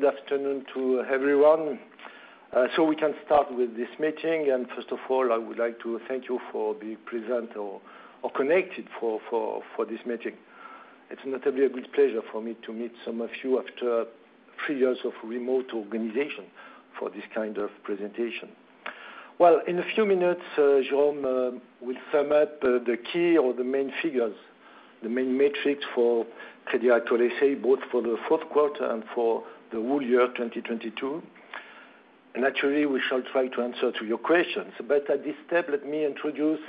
Good afternoon to everyone. We can start with this meeting. First of all, I would like to thank you for be present or connected for this meeting. It's notably a good pleasure for me to meet some of you after three years of remote organization for this kind of presentation. Well, in a few minutes, Jérôme will sum up the key or the main figures, the main metrics for Crédit Agricole S.A., both for the fourth quarter and for the whole year 2022. Naturally, we shall try to answer to your questions. At this step, let me introduce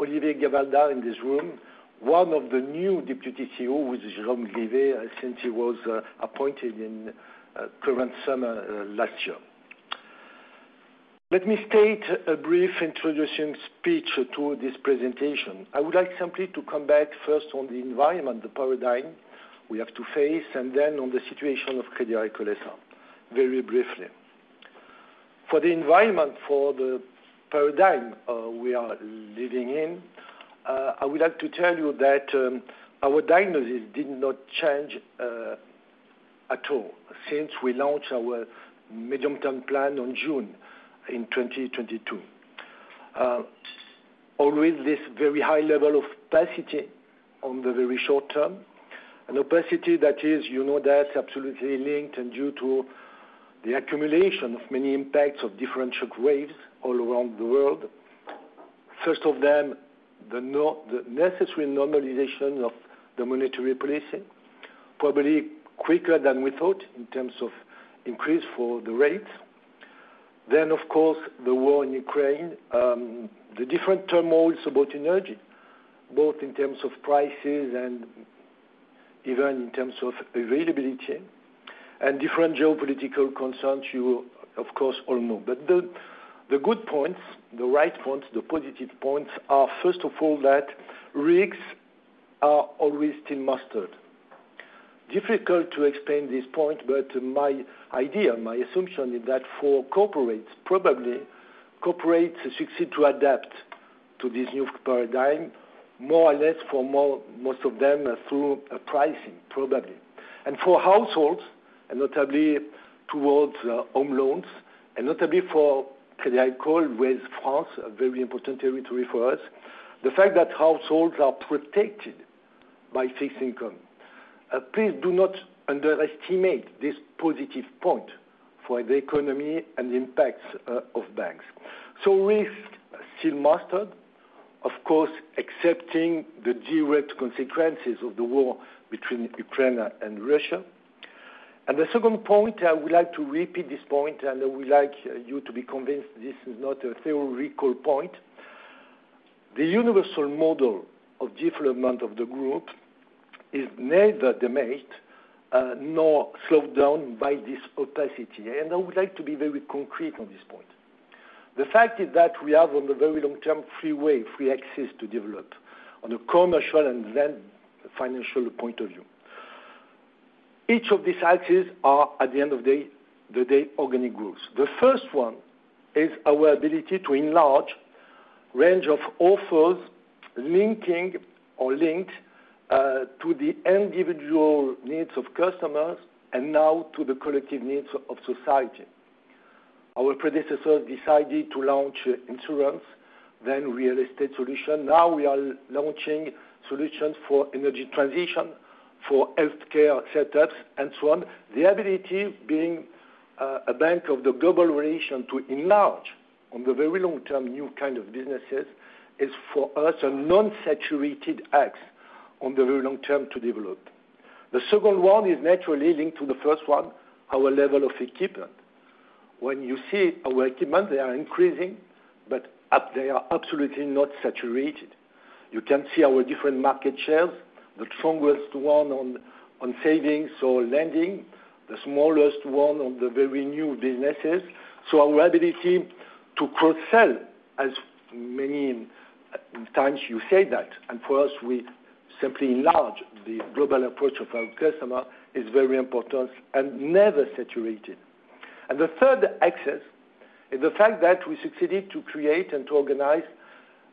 Olivier Gavalda in this room, one of the new Deputy CEO with Jérôme Grivet, since he was appointed in current summer last year. Let me state a brief introduction speech to this presentation. I would like simply to come back first on the environment, the paradigm we have to face, and then on the situation of Crédit Agricole S.A., very briefly. For the environment, for the paradigm we are living in, I would like to tell you that our diagnosis did not change at all since we launched our medium-term plan on June in 2022. Always this very high level of opacity on the very short term, an opacity that is, you know that, absolutely linked and due to the accumulation of many impacts of different shock waves all around the world. First of them, the necessary normalization of the monetary policy, probably quicker than we thought in terms of increase for the rate. Of course, the war in Ukraine, the different turmoils about energy, both in terms of prices and even in terms of availability, and different geopolitical concerns you of course all know. The good points, the right points, the positive points are, first of all, that risks are always still mastered. Difficult to explain this point, but my idea, my assumption is that for corporates, probably corporates succeed to adapt to this new paradigm, more or less for most of them through pricing, probably. For households, and notably towards home loans, and notably for Crédit Agricole with France, a very important territory for us, the fact that households are protected by fixed income. Please do not underestimate this positive point for the economy and the impacts of banks. Risk still mastered, of course, accepting the direct consequences of the war between Ukraine and Russia. The second point, I would like to repeat this point, and I would like you to be convinced this is not a theoretical point. The universal model of development of the group is neither damaged, nor slowed down by this opacity, and I would like to be very concrete on this point. The fact is that we have, on the very long term, free way, free access to develop on a commercial and then financial point of view. Each of these axes are, at the end of the day, organic growth. The first one is our ability to enlarge range of offers linking or linked to the individual needs of customers, and now to the collective needs of society. Our predecessor decided to launch insurance, then real estate solution. Now we are launching solutions for energy transition, for healthcare setups, and so on. The ability being a bank of the global relation to enlarge on the very long term new kind of businesses is for us a non-saturated axe on the very long term to develop. The second one is naturally leading to the first one, our level of equipment. When you see our equipment, they are increasing, but they are absolutely not saturated. You can see our different market shares, the strongest one on savings or lending, the smallest one on the very new businesses. Our ability to cross-sell, as many times you say that, and for us, we simply enlarge the global approach of our customer, is very important and never saturated. The third axis is the fact that we succeeded to create and to organize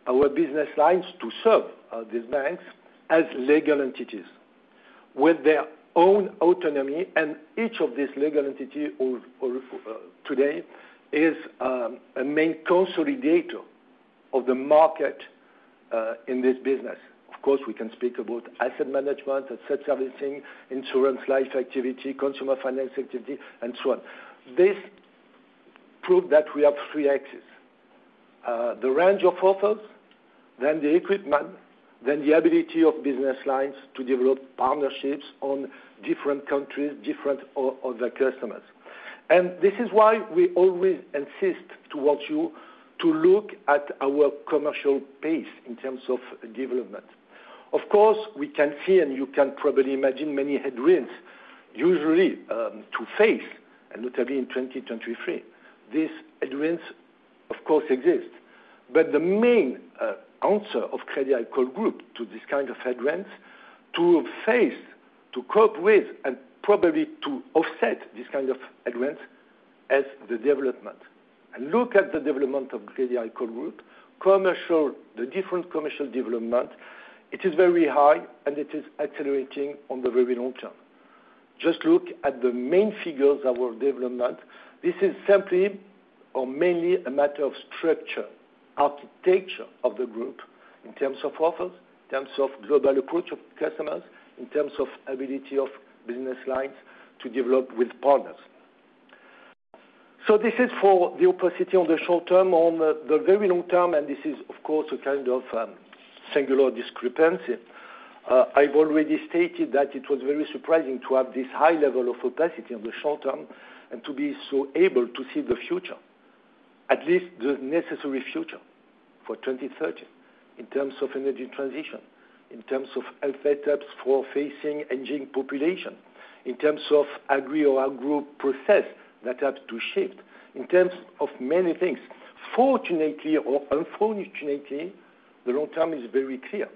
our business lines to serve these banks as legal entities with their own autonomy, and each of these legal entity today is a main consolidator of the market in this business. Of course, we can speak about asset management, asset servicing, insurance, life activity, consumer finance activity, and so on. This prove that we have three axes. The range of offers, then the equipment, then the ability of business lines to develop partnerships on different countries, different other customers. This is why we always insist towards you to look at our commercial pace in terms of development. Of course, we can see, and you can probably imagine many headwinds usually to face, and notably in 2023. These headwinds of course exist. The main answer of Crédit Agricole Group to this kind of headwinds, to face, to cope with, and probably to offset this kind of headwinds as the development. Look at the development of Crédit Agricole Group. The different commercial development, it is very high, and it is accelerating on the very long term. Just look at the main figures of our development. This is simply or mainly a matter of structure, architecture of the group in terms of office, in terms of global approach of customers, in terms of ability of business lines to develop with partners. This is for the opacity on the short term. On the very long term, This is of course a kind of singular discrepancy, I've already stated that it was very surprising to have this high level of opacity in the short term and to be so able to see the future, at least the necessary future for 2030 in terms of energy transition, in terms of health setups for facing aging population, in terms of agri or agro process that has to shift, in terms of many things. Fortunately or unfortunately, the long term is very clear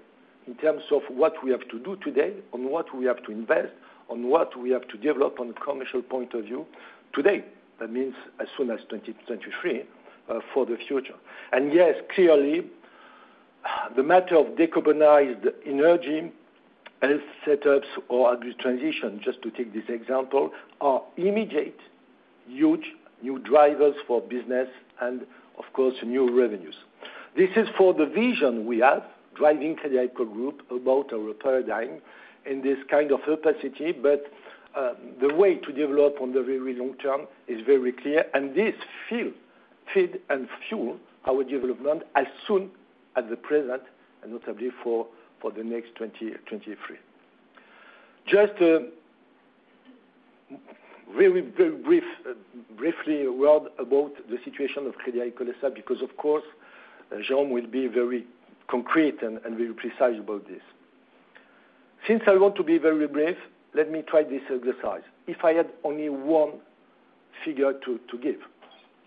in terms of what we have to do today, on what we have to invest, on what we have to develop on a commercial point of view today, that means as soon as 2023 for the future. Yes, clearly, the matter of decarbonized energy, health setups, or agri transition, just to take this example, are immediate huge new drivers for business and of course new revenues. This is for the vision we have, driving Crédit Agricole Group about our paradigm in this kind of opacity. The way to develop on the very long term is very clear, and this fill, feed and fuel our development as soon as the present, and notably for the next 2023. Just very briefly a word about the situation of Crédit Agricole S.A. because of course Jérôme will be very concrete and very precise about this. Since I want to be very brief, let me try this exercise. If I had only one figure to give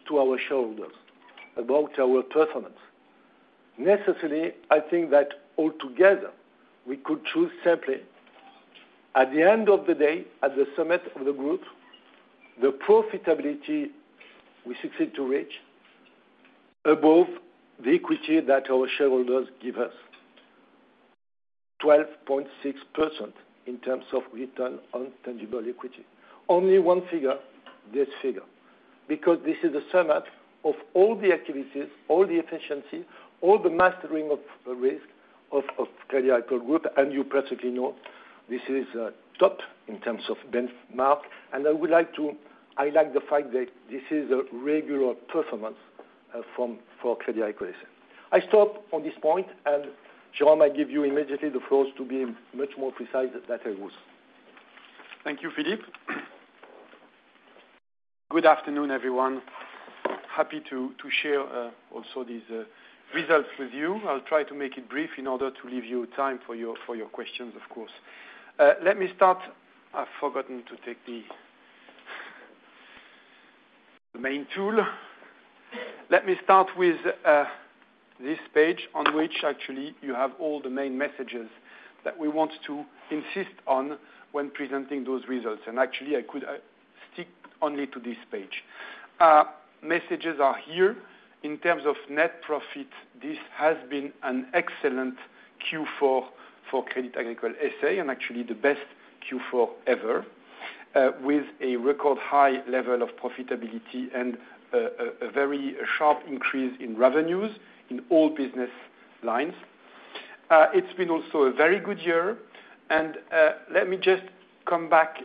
to our shareholders about our performance, necessarily I think that altogether we could choose simply, at the end of the day, at the summit of the group, the profitability we succeed to reach above the equity that our shareholders give us, 12.6% in terms of return on tangible equity. Only one figure, this figure. Because this is the summit of all the activities, all the efficiency, all the mastering of the risk of Crédit Agricole Group. You perfectly know this is top in terms of benchmark. I would like to highlight the fact that this is a regular performance for Crédit Agricole S.A. I stop on this point, and Jérôme, I give you immediately the floor to be much more precise than I was. Thank you, Philippe. Good afternoon, everyone. Happy to share also these results with you. I'll try to make it brief in order to leave you time for your questions, of course. Let me start with this page on which actually you have all the main messages that we want to insist on when presenting those results, and actually I could stick only to this page. Messages are here. In terms of net profit, this has been an excellent Q4 for Crédit Agricole S.A., and actually the best Q4 ever with a record high level of profitability and a very sharp increase in revenues in all business lines. It's been also a very good year. Let me just come back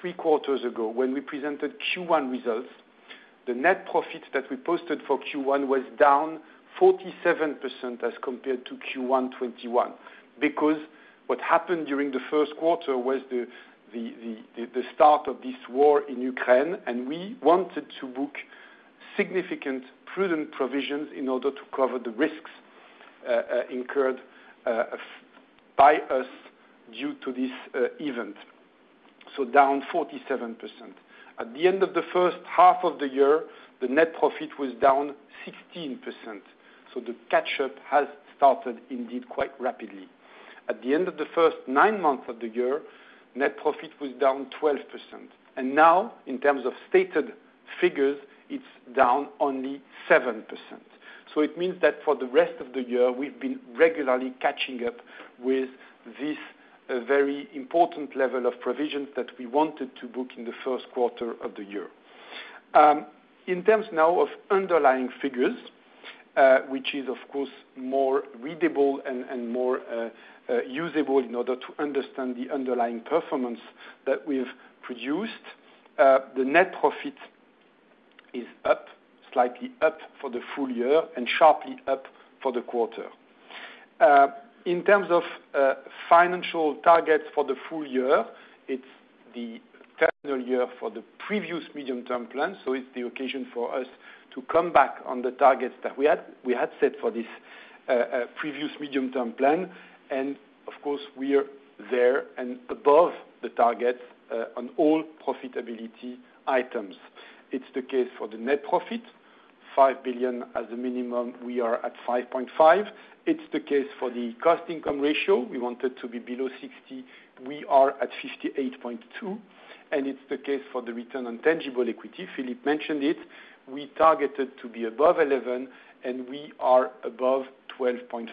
three quarters ago when we presented Q1 results. The net profit that we posted for Q1 was down 47% as compared to Q1 2021. What happened during the first quarter was the start of this war in Ukraine, and we wanted to book significant prudent provisions in order to cover the risks incurred by us due to this event, so down 47%. At the end of the first half of the year, the net profit was down 16%, so the catch-up has started indeed quite rapidly. At the end of the first nine month of the year, net profit was down 12%. Now in terms of stated figures, it's down only 7%. It means that for the rest of the year, we've been regularly catching up with this very important level of provisions that we wanted to book in the first quarter of the year. In terms now of underlying figures, which is of course more readable and more usable in order to understand the underlying performance that we've produced, the net profit is up, slightly up for the full year and sharply up for the quarter. In terms of financial targets for the full year, it's the terminal year for the previous medium-term plan, so it's the occasion for us to come back on the targets that we had set for this previous medium-term plan. Of course, we are there and above the targets on all profitability items. It's the case for the net profit. 5 billion as a minimum, we are at 5.5 billion. It's the case for the cost income ratio. We want it to be below 60%, we are at 58.2%. It's the case for the return on tangible equity, Philippe mentioned it. We targeted to be above 11%, and we are above 12.5%,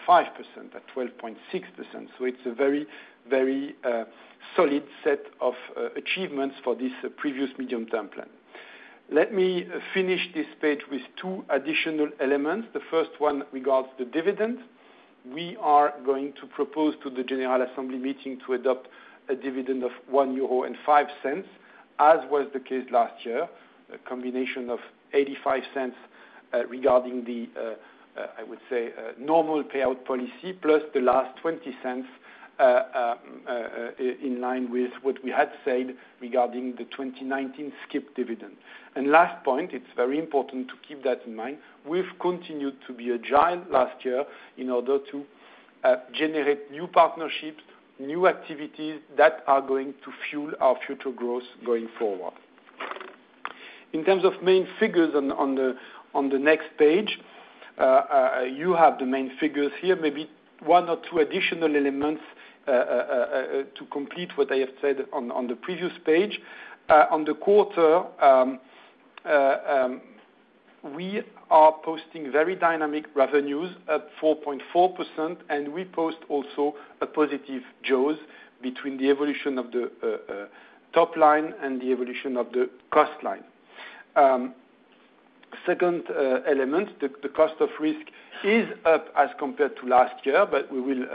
at 12.6%. It's a very, very solid set of achievements for this previous medium-term plan. Let me finish this page with two additional elements. The first one regards the dividend. We are going to propose to the general assembly meeting to adopt a dividend of 1.05 euro, as was the case last year. A combination of 0.85 regarding the I would say normal payout policy, plus the last 0.20 in line with what we had said regarding the 2019 skip dividend. Last point, it's very important to keep that in mind, we've continued to be agile last year in order to generate new partnerships, new activities that are going to fuel our future growth going forward. In terms of main figures on the next page. You have the main figures here, maybe one or two additional elements to complete what I have said on the previous page. On the quarter, we are posting very dynamic revenues, at 4.4%, and we post also a positive JAWS between the evolution of the top line and the evolution of the cost line. Second, element, the cost of risk is up as compared to last year, but we will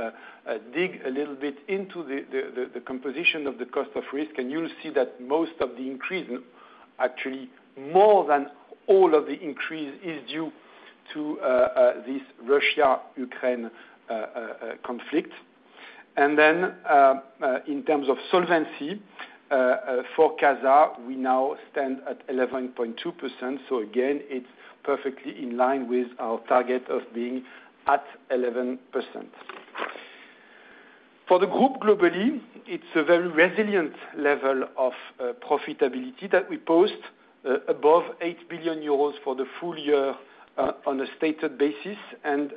dig a little bit into the composition of the cost of risk, and you'll see that most of the increase, actually more than all of the increase is due to this Russia-Ukraine conflict. Then, in terms of solvency, for CASA, we now stand at 11.2%. Again, it's perfectly in line with our target of being at 11%. For the group globally, it's a very resilient level of profitability that we post above 8 billion euros for the full year on a stated basis, and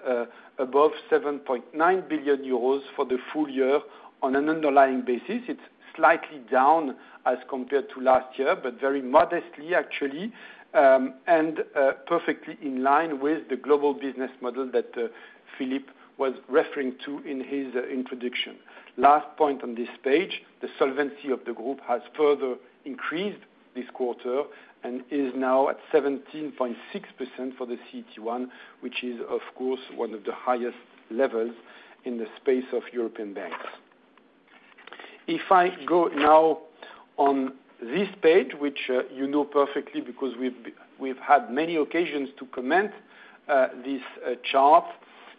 above 7.9 billion euros for the full year on an underlying basis. It's slightly down as compared to last year, but very modestly actually, and perfectly in line with the global business model that Philippe was referring to in his introduction. Last point on this page, the solvency of the group has further increased this quarter and is now at 17.6% for the CET1, which is of course one of the highest levels in the space of European banks. If I go now on this page, which, you know perfectly because we've had many occasions to comment, this chart,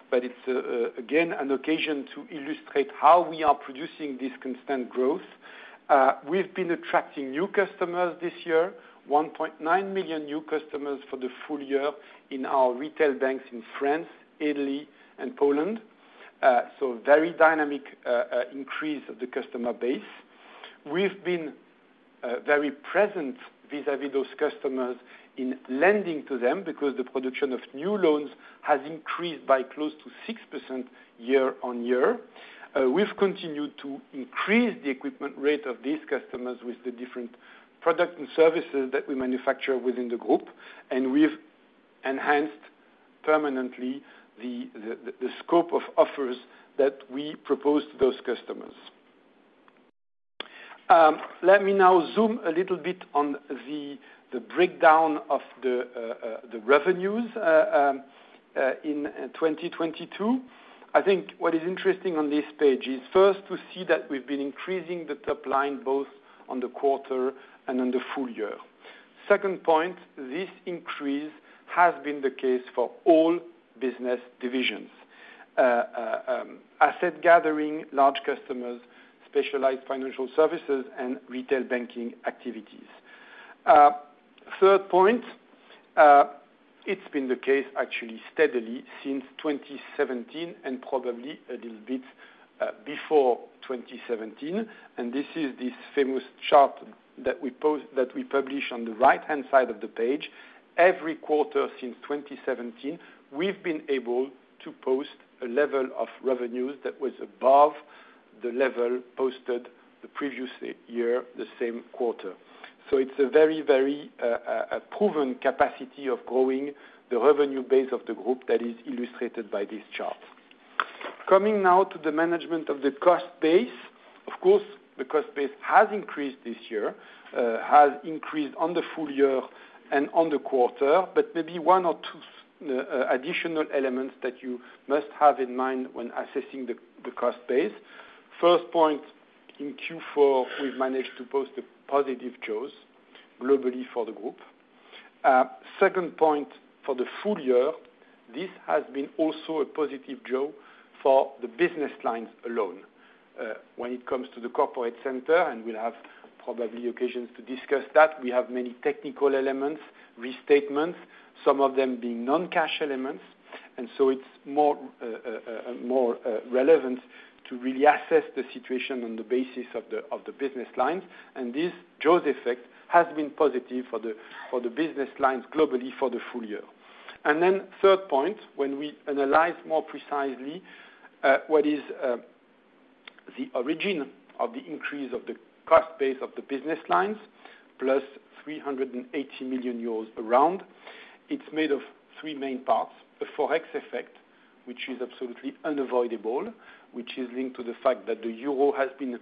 but it's again, an occasion to illustrate how we are producing this constant growth. We've been attracting new customers this year, 1.9 million new customers for the full year in our retail banks in France, Italy, and Poland. Very dynamic increase of the customer base. We've been very present vis-à-vis those customers in lending to them because the production of new loans has increased by close to 6% YoY. We've continued to increase the equipment rate of these customers with the different product and services that we manufacture within the group, we've enhanced permanently the scope of offers that we propose to those customers. Let me now zoom a little bit on the breakdown of the revenues in 2022. I think what is interesting on this page is first to see that we've been increasing the top line, both on the quarter and on the full year. Second point, this increase has been the case for all business divisions. Asset gathering, large customers, specialized financial services, and retail banking activities. Third point, it's been the case actually steadily since 2017 and probably a little bit before 2017, and this is this famous chart that we publish on the right-hand side of the page. Every quarter since 2017, we've been able to post a level of revenues that was above the level posted the previous year, the same quarter. It's a very proven capacity of growing the revenue base of the group that is illustrated by this chart. Coming now to the management of the cost base. Of course, the cost base has increased this year, has increased on the full year and on the quarter, but maybe one or two additional elements that you must have in mind when assessing the cost base. First point, in Q4, we've managed to post a positive JAWS globally for the group. Second point for the full year, this has been also a positive JAWS for the business lines alone. When it comes to the corporate center, and we'll have probably occasions to discuss that, we have many technical elements, restatements, some of them being non-cash elements. So it's more relevant to really assess the situation on the basis of the business lines. This JAWS effect has been positive for the business lines globally for the full year. Third point, when we analyze more precisely what is the origin of the increase of the cost base of the business lines, + 380 million euros, it's made of three main parts. The forex effect, which is absolutely unavoidable, which is linked to the fact that the euro has been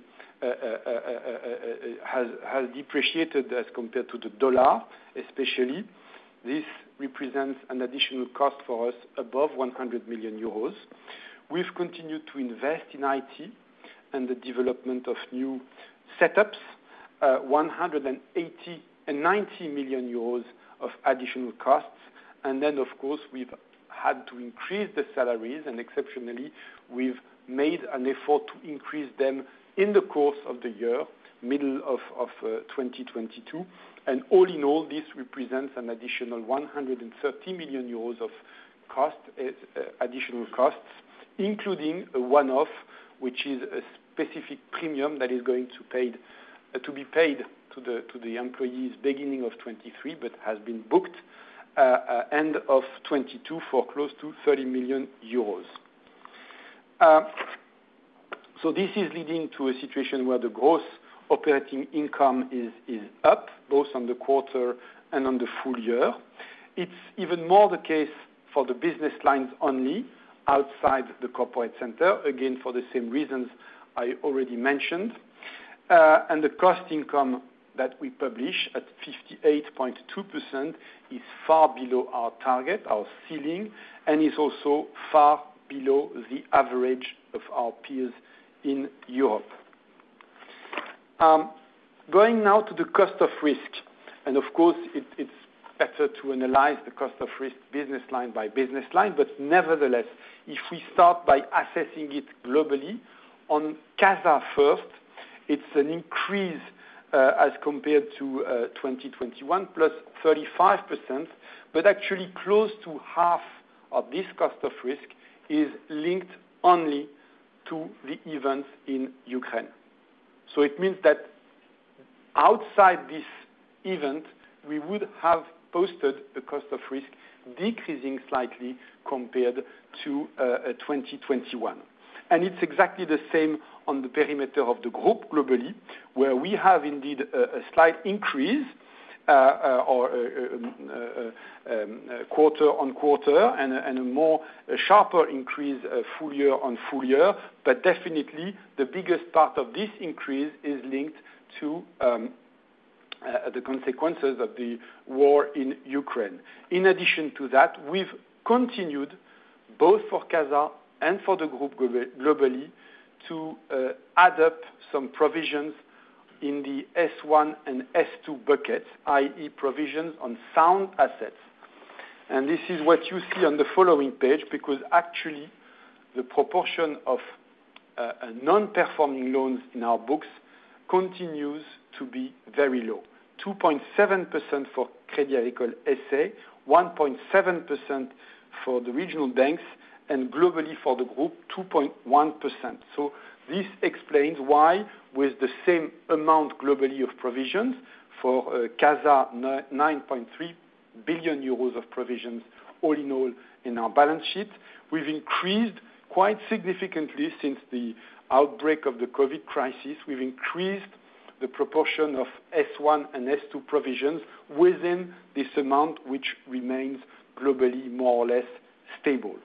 depreciated as compared to the dollar, especially. This represents an additional cost for us above 100 million euros. We've continued to invest in IT and the development of new setups, 90 million euros of additional costs. Then, of course, we've had to increase the salaries, and exceptionally, we've made an effort to increase them in the course of the year, middle of 2022. All in all, this represents an additional 130 million euros of cost, additional costs, including a one-off, which is a specific premium that is to be paid to the employees beginning of 2023, but has been booked end of 2022 for close to 30 million euros. This is leading to a situation where the gross operating income is up, both on the quarter and on the full year. It's even more the case for the business lines only, outside the corporate center, again, for the same reasons I already mentioned. The cost income that we publish at 58.2% is far below our target, our ceiling, and is also far below the average of our peers in Europe. Going now to the cost of risk, and of course, it's better to analyze the cost of risk business line by business line. Nevertheless, if we start by assessing it globally, on CASA first, it's an increase as compared to 2021 +35%. Actually, close to half of this cost of risk is linked only to the events in Ukraine. It means that outside this event, we would have posted a cost of risk decreasing slightly compared to 2021. It's exactly the same on the perimeter of the group globally, where we have indeed a slight increase quarter on quarter and a more, a sharper increase full year on full year. Definitely, the biggest part of this increase is linked to the consequences of the war in Ukraine. In addition to that, we've continued both for CASA and for the group globally to add up some provisions in the S1 and S2 bucket, i.e. provisions on sound assets. This is what you see on the following page, because actually the proportion of non-performing loans in our books continues to be very low, 2.7% for Crédit Agricole S.A., 1.7% for the regional banks, and globally for the group, 2.1%. This explains why, with the same amount globally of provisions, for CASA, 9.3 billion euros of provisions all in all in our balance sheet, we've increased quite significantly since the outbreak of the COVID crisis. We've increased the proportion of S1 and S2 provisions within this amount, which remains globally more or less stable.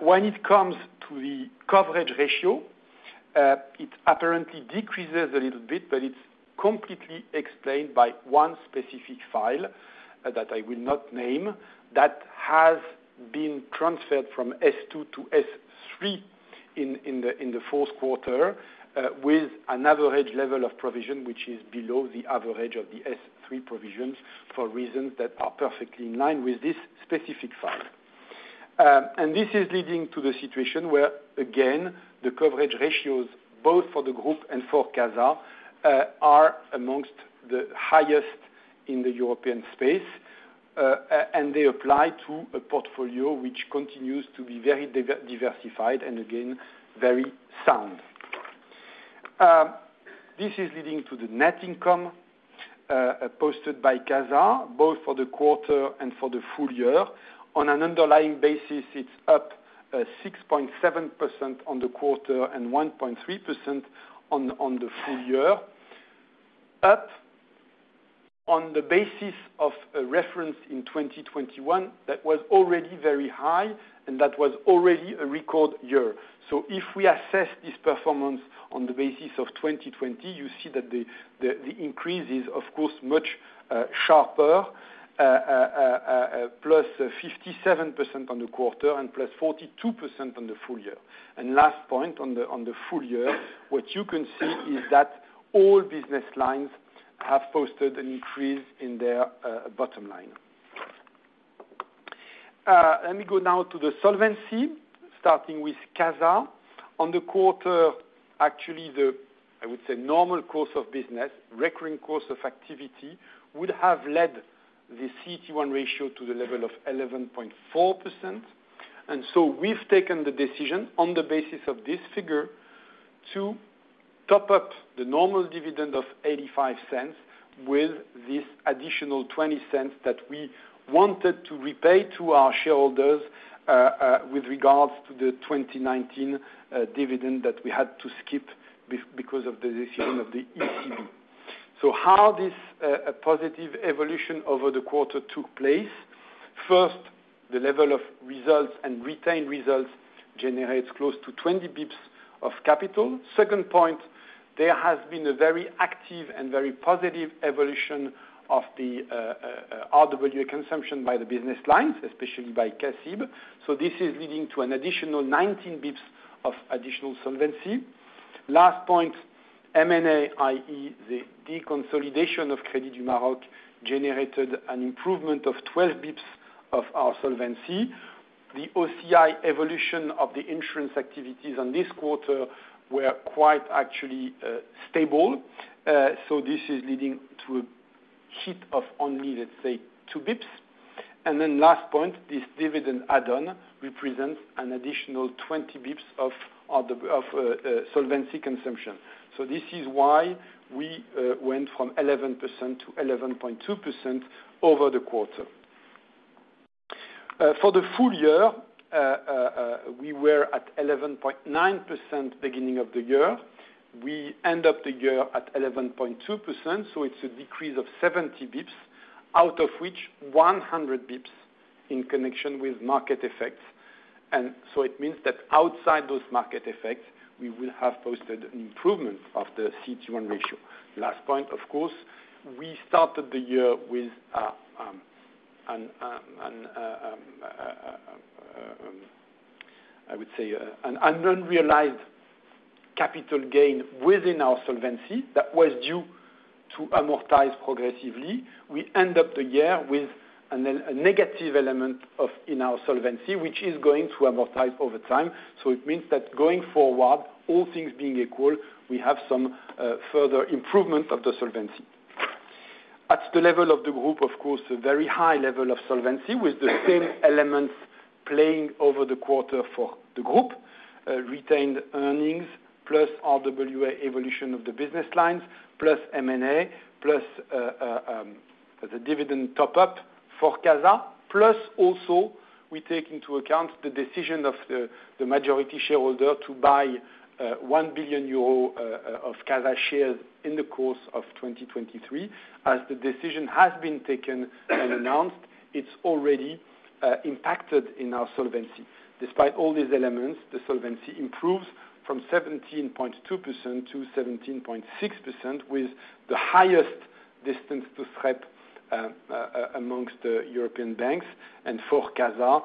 When it comes to the coverage ratio, it apparently decreases a little bit. It's completely explained by one specific file that I will not name, that has been transferred from S2 to S3 in the fourth quarter with an average level of provision which is below the average of the S3 provisions for reasons that are perfectly in line with this specific file. This is leading to the situation where, again, the coverage ratios, both for the group and for CASA, are amongst the highest in the European space. They apply to a portfolio which continues to be very diversified and again, very sound. This is leading to the net income posted by CASA, both for the quarter and for the full year. On an underlying basis, it's up 6.7% on the quarter and 1.3% on the full year. Up on the basis of a reference in 2021 that was already very high, and that was already a record year. If we assess this performance on the basis of 2020, you see that the increase is of course much sharper, +57% on the quarter and +42% on the full year. Last point on the full year, what you can see is that all business lines have posted an increase in their bottom line. Let me go now to the solvency, starting with CASA. On the quarter, actually the, I would say normal course of business, recurring course of activity, would have led the CET1 ratio to the level of 11.4%. We've taken the decision on the basis of this figure to top up the normal dividend of 0.85 with this additional 0.20 that we wanted to repay to our shareholders with regards to the 2019 dividend that we had to skip because of the decision of the ECB. How this positive evolution over the quarter took place. First, the level of results and retained results generates close to 20 basis points of capital. Second point, there has been a very active and very positive evolution of the RWA consumption by the business lines, especially by CACIB. This is leading to an additional 19 basis points of additional solvency. Last point, M&A, i.e., the deconsolidation of generated an improvement of 12 basis points of our solvency. The OCI evolution of the insurance activities on this quarter were quite actually stable. This is leading to a hit of only, let's say, two basis points. Last point, this dividend add-on represents an additional 20 basis points of solvency consumption. This is why we went from 11%-11.2% over the quarter. For the full year, we were at 11.9% beginning of the year. We end up the year at 11.2%, so it's a decrease of 70 basis points, out of which 100 basis points in connection with market effects. It means that outside those market effects, we will have posted an improvement of the CET1 ratio. Last point, of course, we started the year with an unrealized capital gain within our solvency that was due to amortize progressively. We end up the year with a negative element of, in our solvency, which is going to amortize over time. It means that going forward, all things being equal, we have some further improvement of the solvency. At the level of the group, of course, a very high level of solvency, with the same elements playing over the quarter for the group, retained earnings, plus RWA evolution of the business lines, plus M&A, plus the dividend top up for CASA. Also, we take into account the decision of the majority shareholder to buy 1 billion euro of CASA shares in the course of 2023. As the decision has been taken and announced, it's already impacted in our solvency. Despite all these elements, the solvency improves from 17.2% to 17.6%, with the highest distance to SREP amongst the European banks. For CASA,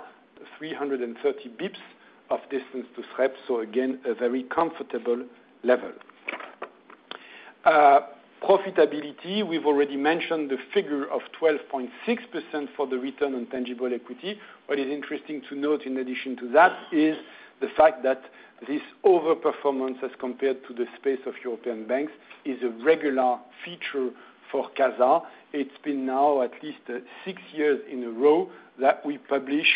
330 basis points of distance to SREP, again, a very comfortable level. Profitability, we've already mentioned the figure of 12.6% for the return on tangible equity. What is interesting to note in addition to that is the fact that this over-performance, as compared to the space of European banks, is a regular feature for CASA. It's been now at least six years in a row that we publish,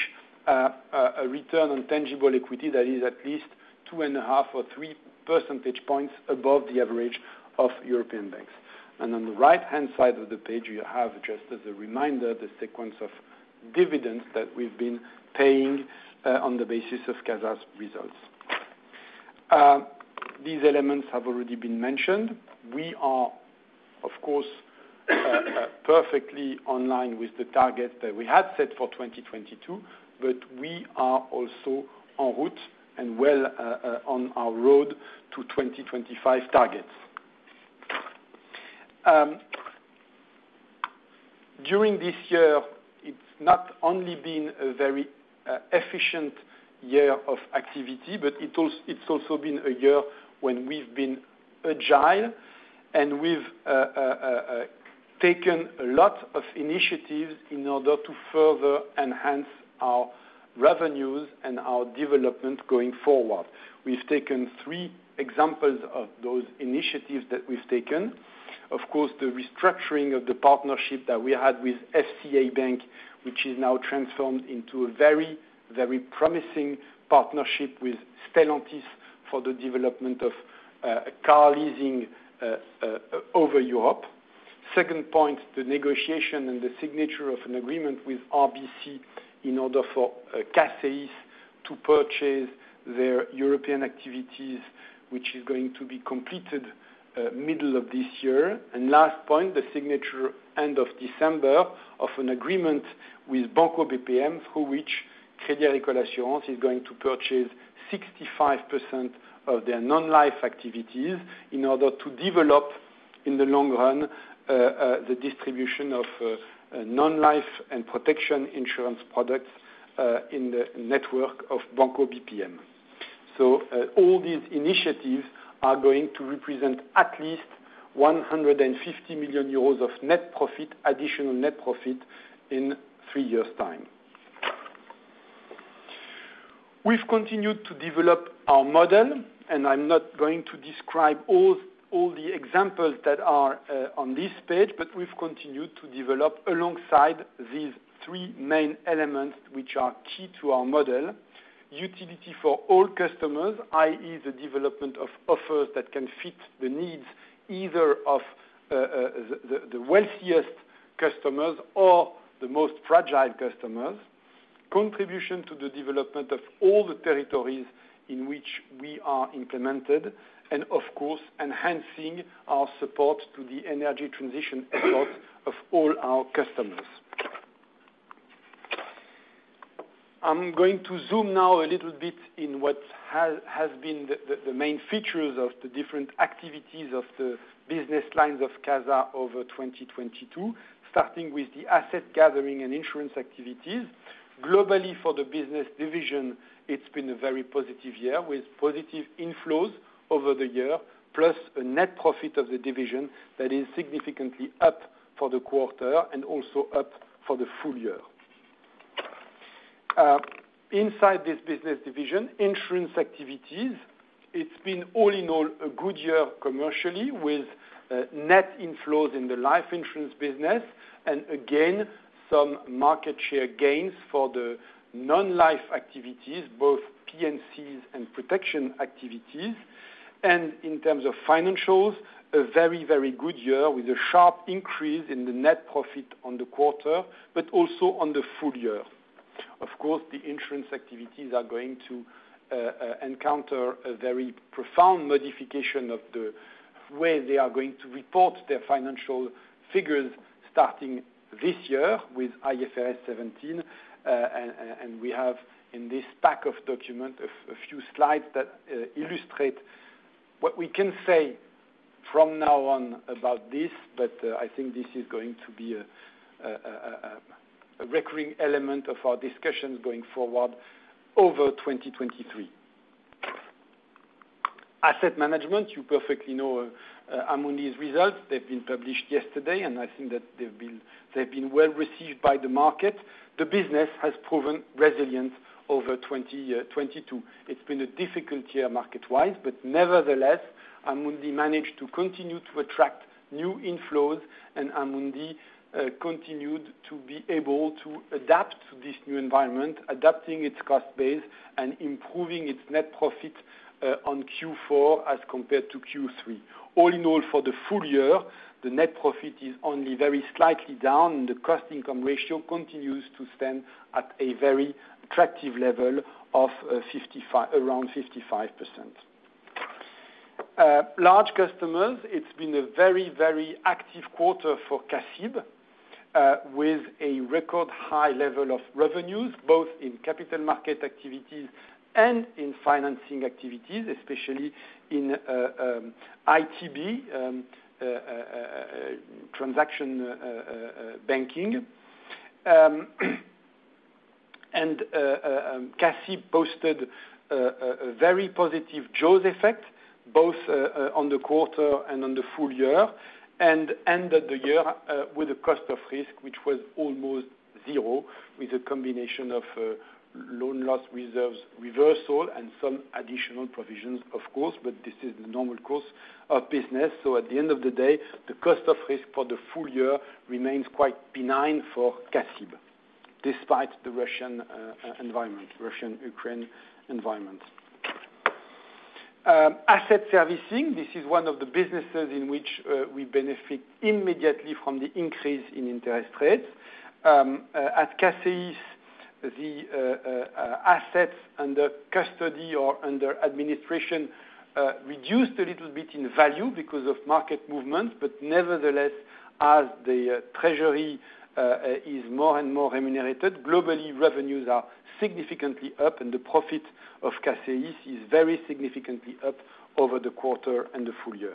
a return on tangible equity that is at least 2.5 or three percentage points above the average of European banks. On the right-hand side of the page, you have just as a reminder, the sequence of dividends that we've been paying, on the basis of CASA's results. These elements have already been mentioned. We are, of course, perfectly online with the target that we had set for 2022. We are also en route and well, on our road to 2025 targets. During this year, it's not only been a very efficient year of activity, but it's also been a year when we've been agile, and we've taken a lot of initiatives in order to further enhance our revenues and our development going forward. We've taken three examples of those initiatives that we've taken. Of course, the restructuring of the partnership that we had with FCA Bank, which is now transformed into a very, very promising partnership with Stellantis for the development of car leasing over Europe. Second point, the negotiation and the signature of an agreement with RBC in order for CACEIS to purchase their European activities, which is going to be completed middle of this year. Last point, the signature end of December of an agreement with Banco BPM, through which Crédit Agricole Assurances is going to purchase 65% of their non-life activities in order to develop, in the long run, the distribution of non-life and protection insurance products in the network of Banco BPM. All these initiatives are going to represent at least 150 million euros of net profit, additional net profit in three years' time. We've continued to develop our model, and I'm not going to describe all the examples that are on this page, but we've continued to develop alongside these three main elements, which are key to our model. Utility for all customers, i.e., the development of offers that can fit the needs either of the wealthiest customers or the most fragile customers. Contribution to the development of all the territories in which we are implemented, of course, enhancing our support to the energy transition efforts of all our customers. I'm going to zoom now a little bit in what has been the main features of the different activities of the business lines of CASA over 2022, starting with the asset gathering and insurance activities. Globally, for the business division, it's been a very positive year with positive inflows over the year, plus a net profit of the division that is significantly up for the quarter and also up for the full year. Inside this business division, insurance activities, it's been all in all a good year commercially with net inflows in the life insurance business and again, some market share gains for the non-life activities, both P&C and protection activities. In terms of financials, a very, very good year with a sharp increase in the net profit on the quarter, but also on the full year. Of course, the insurance activities are going to encounter a very profound modification of the way they are going to report their financial figures starting this year with IFRS 17. We have in this pack of document a few slides that illustrate what we can say from now on about this. I think this is going to be a recurring element of our discussions going forward over 2023. Asset management, you perfectly know Amundi's results. They've been published yesterday, and I think that they've been well received by the market. The business has proven resilient over 2022. It's been a difficult year market-wise, but nevertheless, Amundi managed to continue to attract new inflows, and Amundi continued to be able to adapt to this new environment, adapting its cost base and improving its net profit on Q4 as compared to Q3. All in all, for the full year, the net profit is only very slightly down, and the cost income ratio continues to stand at a very attractive level of 55%, around 55%. Large customers, it's been a very active quarter for CACIB, with a record high level of revenues, both in capital market activities and in financing activities, especially in ITB transaction banking. CACIB posted a very positive JAWS effect both on the quarter and on the full year, and ended the year with a cost of risk, which was almost zero, with a combination of loan loss reserves reversal and some additional provisions, of course, but this is the normal course of business. At the end of the day, the cost of risk for the full year remains quite benign for CACIB, despite the Russian environment, Russian-Ukraine environment. Asset servicing, this is one of the businesses in which we benefit immediately from the increase in interest rates. At CACEIS, the assets under custody or under administration reduced a little bit in value because of market movement. Nevertheless, as the treasury is more and more remunerated, globally, revenues are significantly up, and the profit of CACEIS is very significantly up over the quarter and the full year.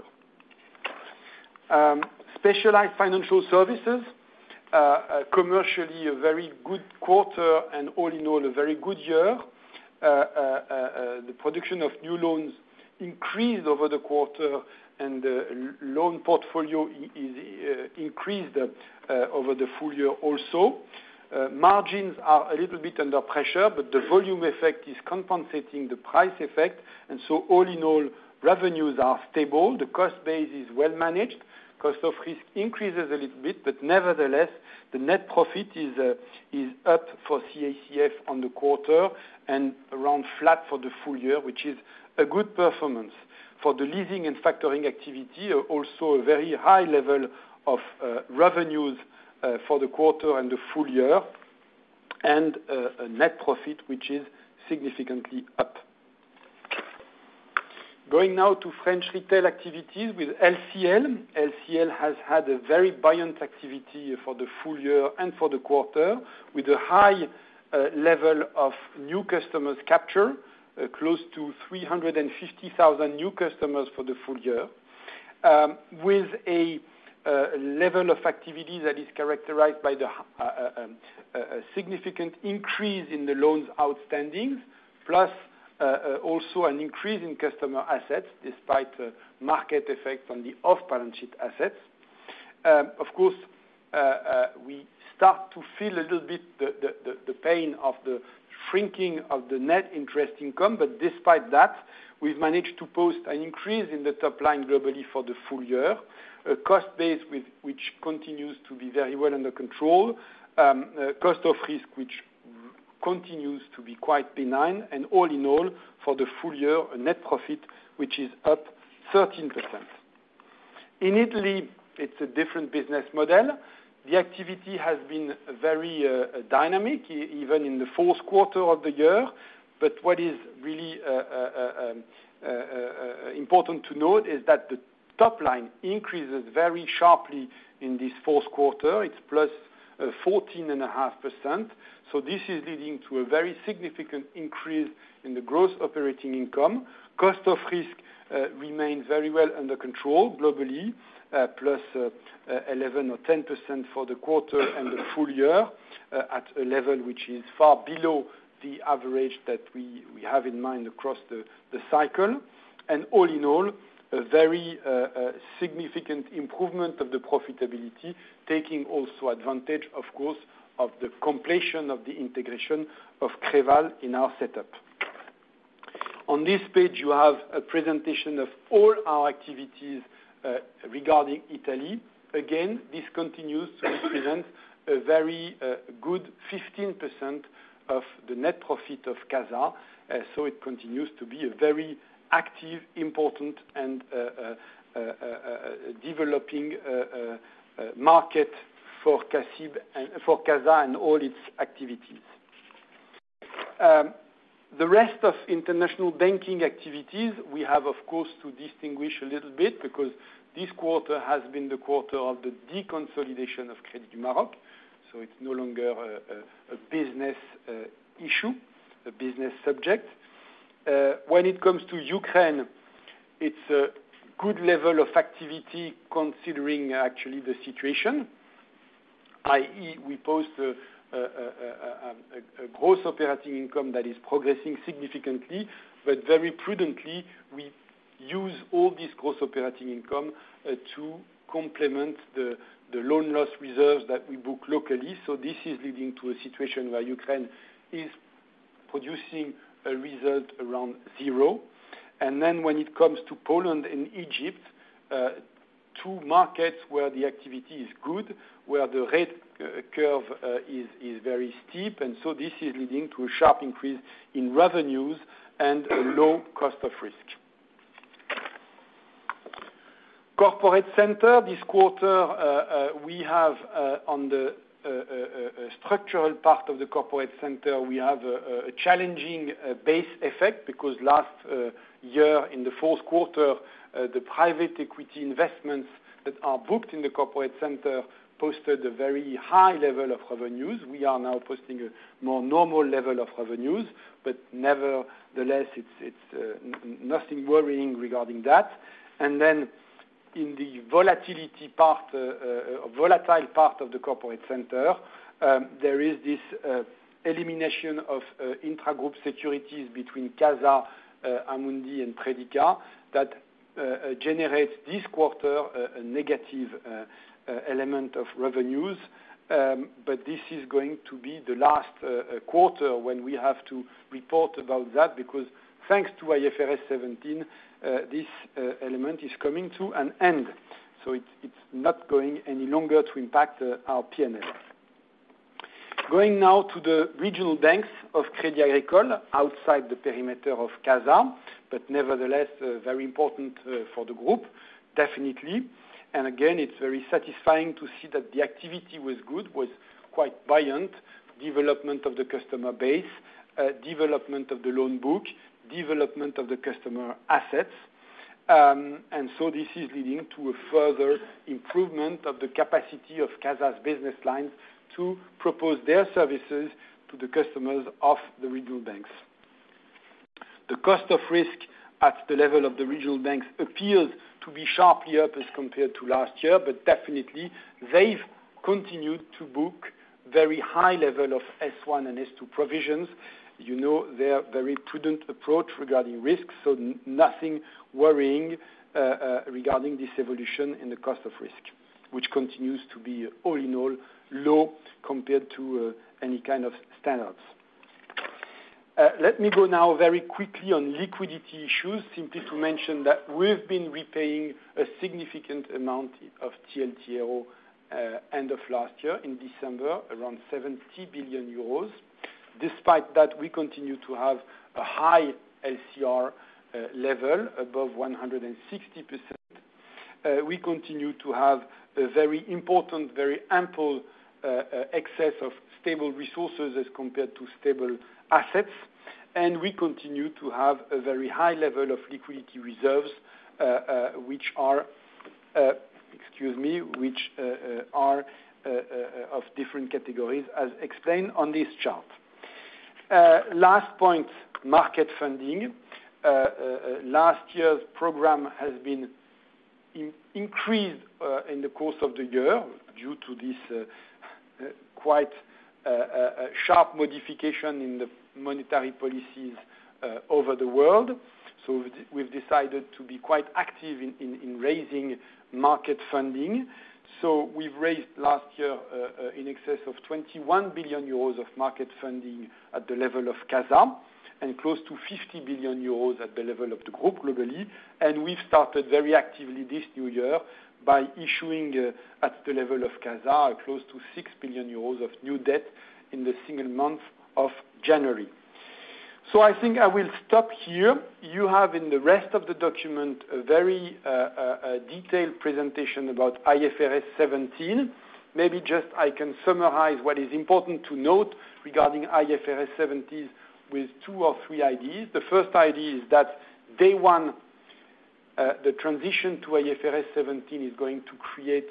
Specialized financial services, commercially a very good quarter and all in all a very good year. The production of new loans increased over the quarter and the loan portfolio is increased over the full year also. Margins are a little bit under pressure, but the volume effect is compensating the price effect. All in all, revenues are stable. The cost base is well managed. Cost of risk increases a little bit, but nevertheless, the net profit is up for CACF on the quarter and around flat for the full year, which is a good performance. For the leasing and factoring activity, also a very high level of revenues for the quarter and the full year, and a net profit which is significantly up. Going now to French retail activities with LCL. LCL has had a very buoyant activity for the full year and for the quarter, with a high level of new customers capture, close to 350,000 new customers for the full year. With a level of activity that is characterized by the significant increase in the loans outstandings, plus also an increase in customer assets, despite market effect on the off-balance sheet assets. Of course, we start to feel a little bit the pain of the shrinking of the net interest income. Despite that, we've managed to post an increase in the top line globally for the full year. A cost base which continues to be very well under control. Cost of risk, which continues to be quite benign. All in all, for the full year, a net profit which is up 13%. In Italy, it's a different business model. The activity has been very dynamic, even in the fourth quarter of the year. What is really important to note is that the top line increases very sharply in this fourth quarter. It's +14.5%, this is leading to a very significant increase in the gross operating income. Cost of risk remains very well under control globally, plus 11% or 10% for the quarter and the full year, at a level which is far below the average that we have in mind across the cycle. All in all, a very significant improvement of the profitability, taking also advantage, of course, of the completion of the integration of Creval in our setup. On this page, you have a presentation of all our activities regarding Italy. Again, this continues to represent a very good 15% of the net profit of CASA. So it continues to be a very active, important, and developing market for CACIB and for CASA and all its activities. The rest of international banking activities, we have, of course, to distinguish a little bit because this quarter has been the quarter of the deconsolidation of Crédit du Maroc. It's no longer a business issue, a business subject. When it comes to Ukraine, it's a good level of activity, considering actually the situation, i.e., we post a gross operating income that is progressing significantly, but very prudently, we use all this gross operating income to complement the loan loss reserves that we book locally. This is leading to a situation where Ukraine is producing a result around zero. When it comes to Poland and Egypt, two markets where the activity is good, where the rate curve is very steep, this is leading to a sharp increase in revenues and a low cost of risk. Corporate center, this quarter, we have on the structural part of the corporate center, we have a challenging base effect because last year in the fourth quarter, the private equity investments that are booked in the corporate center posted a very high level of revenues. We are now posting a more normal level of revenues, but nevertheless, it's nothing worrying regarding that. In the volatility part, volatile part of the corporate center, there is this elimination of intragroup securities between CASA, Amundi, and Predica that generates this quarter a negative element of revenues. This is going to be the last quarter when we have to report about that, because thanks to IFRS 17, this element is coming to an end, so it's not going any longer to impact our P&L. Going now to the regional banks of Crédit Agricole, outside the perimeter of CASA, but nevertheless, very important for the group, definitely. Again, it's very satisfying to see that the activity was good, was quite buoyant. Development of the customer base, development of the loan book, development of the customer assets. This is leading to a further improvement of the capacity of CASA's business line to propose their services to the customers of the regional banks. The cost of risk at the level of the regional banks appears to be sharply up as compared to last year, but definitely they've continued to book very high level of S1 and S2 provisions. You know, their very prudent approach regarding risks, so nothing worrying regarding this evolution in the cost of risk, which continues to be all in all low compared to any kind of standards. Let me go now very quickly on liquidity issues. Simply to mention that we've been repaying a significant amount of TLTRO end of last year in December, around 70 billion euros. Despite that, we continue to have a high LCR level above 160%. We continue to have a very important, very ample excess of stable resources as compared to stable assets. We continue to have a very high level of liquidity reserves, which are of different categories as explained on this chart. Last point, market funding. Last year's program has been increased in the course of the year due to this. Quite a sharp modification in the monetary policies over the world. We've decided to be quite active in raising market funding. We've raised last year in excess of 21 billion euros of market funding at the level of CASA and close to 50 billion euros at the level of the group globally. We've started very actively this new year by issuing at the level of CASA, close to 6 billion euros of new debt in the single month of January. I think I will stop here. You have in the rest of the document a very detailed presentation about IFRS 17. Maybe just I can summarize what is important to note regarding IFRS 17 with two or three ideas. The first idea is that day one, the transition to IFRS 17 is going to create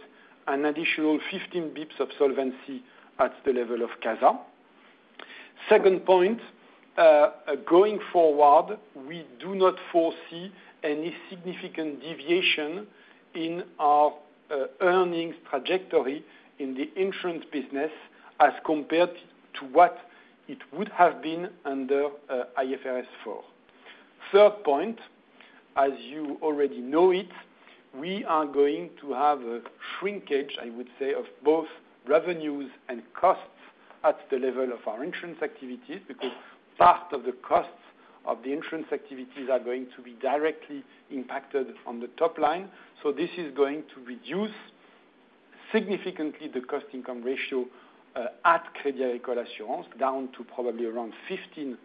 an additional 15 basis points of solvency at the level of CASA. Second point, going forward, we do not foresee any significant deviation in our earnings trajectory in the insurance business as compared to what it would have been under IFRS 4. Third point, as you already know it, we are going to have a shrinkage, I would say, of both revenues and costs at the level of our insurance activities, because part of the costs of the insurance activities are going to be directly impacted on the top line. This is going to reduce significantly the cost income ratio at Crédit Agricole Assurances, down to probably around 15%.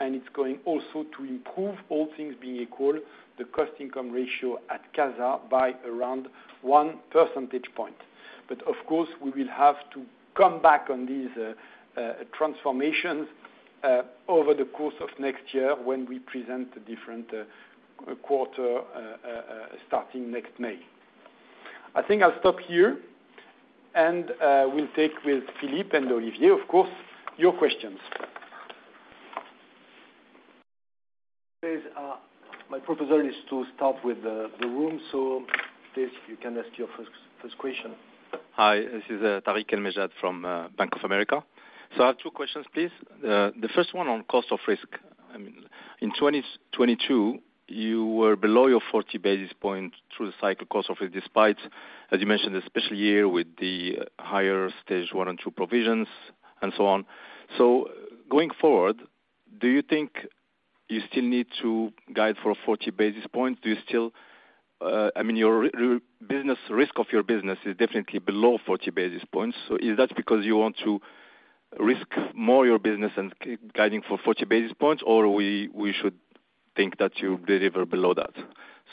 It's going also to improve, all things being equal, the cost income ratio at CASA by around one percentage point. Of course, we will have to come back on these transformations over the course of next year when we present a different quarter starting next May. I think I'll stop here, and we'll take with Philippe and Olivier, of course, your questions. Please, my proposal is to start with the room. Please, you can ask your first question. Hi, this is Tarik El Mejjad from Bank of America. I have two questions, please. The first one on cost of risk. I mean, in 2022, you were below your 40 basis points through the cycle cost of risk, despite, as you mentioned, a special year with the higher Stage 1 and 2 provisions and so on. Going forward, do you think you still need to guide for 40 basis points? Do you still, I mean, your risk of your business is definitely below 40 basis points. Is that because you want to risk more your business and keep guiding for 40 basis points, or we should think that you deliver below that?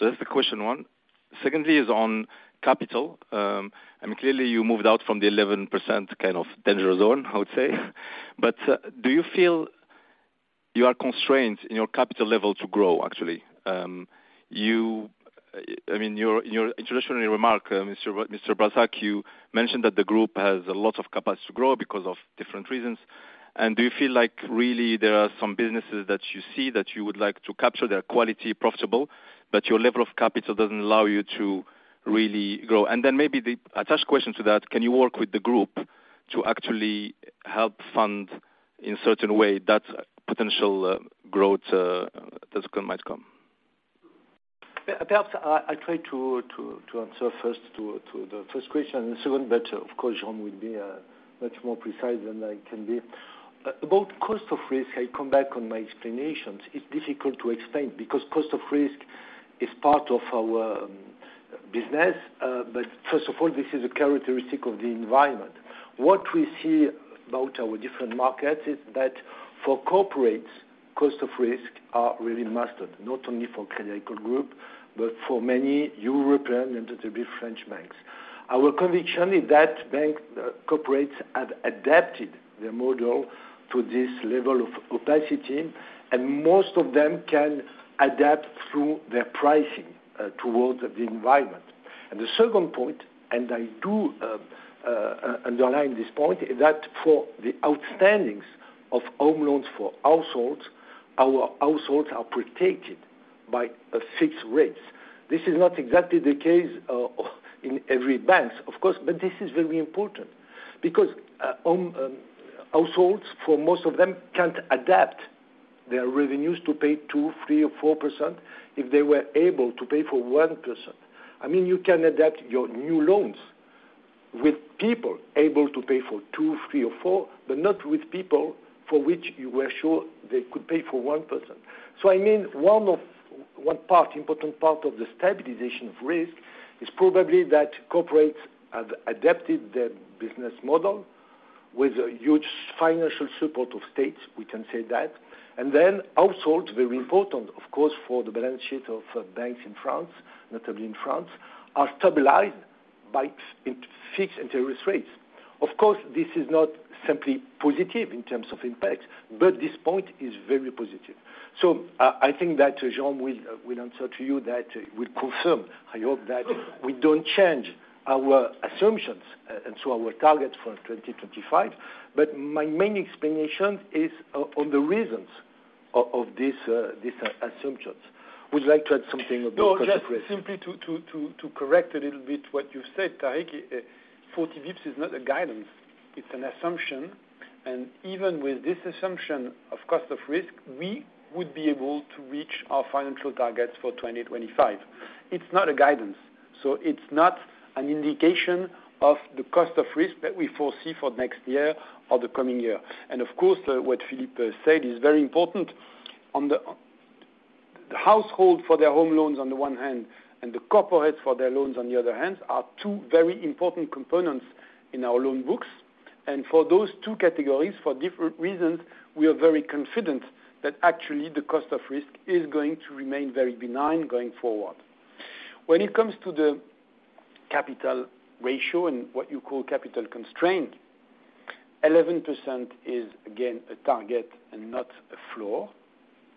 That's the question one. Secondly is on capital. I mean, clearly you moved out from the 11% kind of danger zone, I would say. Do you feel you are constrained in your capital level to grow, actually? I mean, your introductory remark, Mr. Brassac, you mentioned that the group has a lot of capacity to grow because of different reasons. Do you feel like really there are some businesses that you see that you would like to capture, they're quality profitable, but your level of capital doesn't allow you to really grow? Then maybe the attached question to that, can you work with the group to actually help fund in certain way that potential growth that might come? Perhaps I try to answer first to the first question and the second, but of course, Jérôme will be much more precise than I can be. About cost of risk, I come back on my explanations. It's difficult to explain because cost of risk is part of our business. First of all, this is a characteristic of the environment. What we see about our different markets is that for corporates, cost of risk are really mastered, not only for Crédit Agricole Group, but for many European and it will be French banks. Our conviction is that bank corporates have adapted their model to this level of opacity, and most of them can adapt through their pricing towards the environment. The second point, I do underline this point, is that for the outstandings of home loans for households, our households are protected by fixed rates. This is not exactly the case in every banks, of course, but this is very important because households, for most of them, can't adapt their revenues to pay 2%, 3% or 4% if they were able to pay for 1%. I mean, you can adapt your new loans with people able to pay for two, three or four, but not with people for which you were sure they could pay for 1%. I mean, one part, important part of the stabilization of risk is probably that corporates have adapted their business model with a huge financial support of states, we can say that. Households, very important of course, for the balance sheet of banks in France, notably in France, are stabilized by fixed interest rates. Of course, this is not simply positive in terms of impact, but this point is very positive. I think that Jérôme will answer to you that we confirm. I hope that we don't change our assumptions and so our targets for 2025. My main explanation is on the reasons of this, these assumptions. Would you like to add something about cost of risk? No, just simply to correct a little bit what you said, Tarek. 40 bps is not a guidance, it's an assumption. Even with this assumption of cost of risk, we would be able to reach our financial targets for 2025. It's not a guidance, so it's not an indication of the cost of risk that we foresee for next year or the coming year. Of course, what Philippe said is very important. On the household for their home loans on the one hand, and the corporates for their loans on the other hand, are two very important components in our loan books. For those two categories, for different reasons, we are very confident that actually the cost of risk is going to remain very benign going forward. When it comes to the capital ratio and what you call capital constraint, 11% is again, a target and not a floor.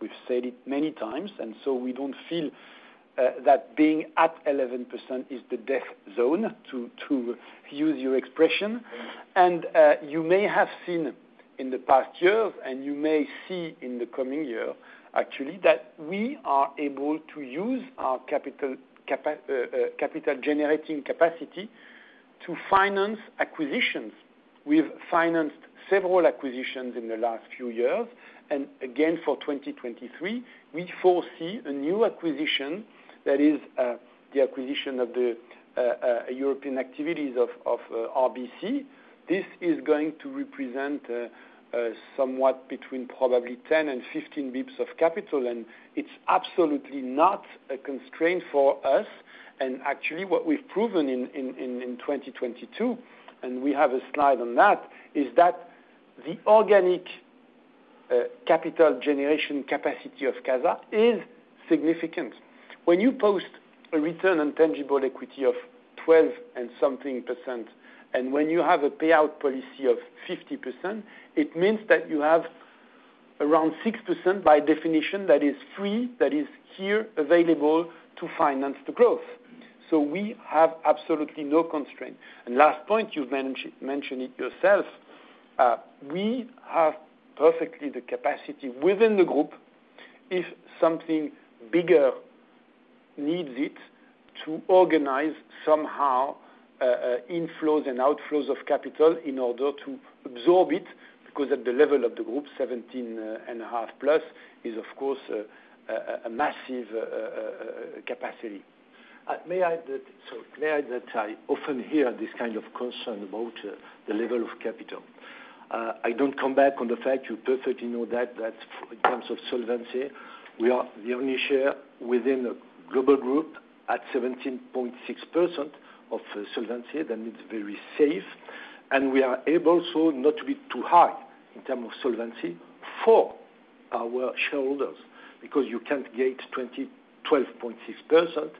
We've said it many times. We don't feel that being at 11% is the death zone, to use your expression. You may have seen in the past year, and you may see in the coming year actually, that we are able to use our capital generating capacity to finance acquisitions. We've financed several acquisitions in the last few years. For 2023, we foresee a new acquisition that is the acquisition of the European activities of RBC. This is going to represent somewhat between probably 10 and 15 basis points of capital, and it's absolutely not a constraint for us. Actually, what we've proven in 2022, and we have a slide on that, is that the organic capital generation capacity of CASA is significant. When you post a return on tangible equity of 12% and something percent, and when you have a payout policy of 50%, it means that you have around 6% by definition, that is free, that is here available to finance the growth. We have absolutely no constraint. Last point, you've mentioned it yourself. We have perfectly the capacity within the group if something bigger needs it, to organize somehow inflows and outflows of capital in order to absorb it. At the level of the group, 17.5+ is of course, a massive capacity. I often hear this kind of concern about the level of capital. I don't come back on the fact, you perfectly know that in terms of solvency, we are the only share within a global group at 17.6% of solvency, that means very safe. We are able so not to be too high in term of solvency for our shareholders, because you can't get 12.6%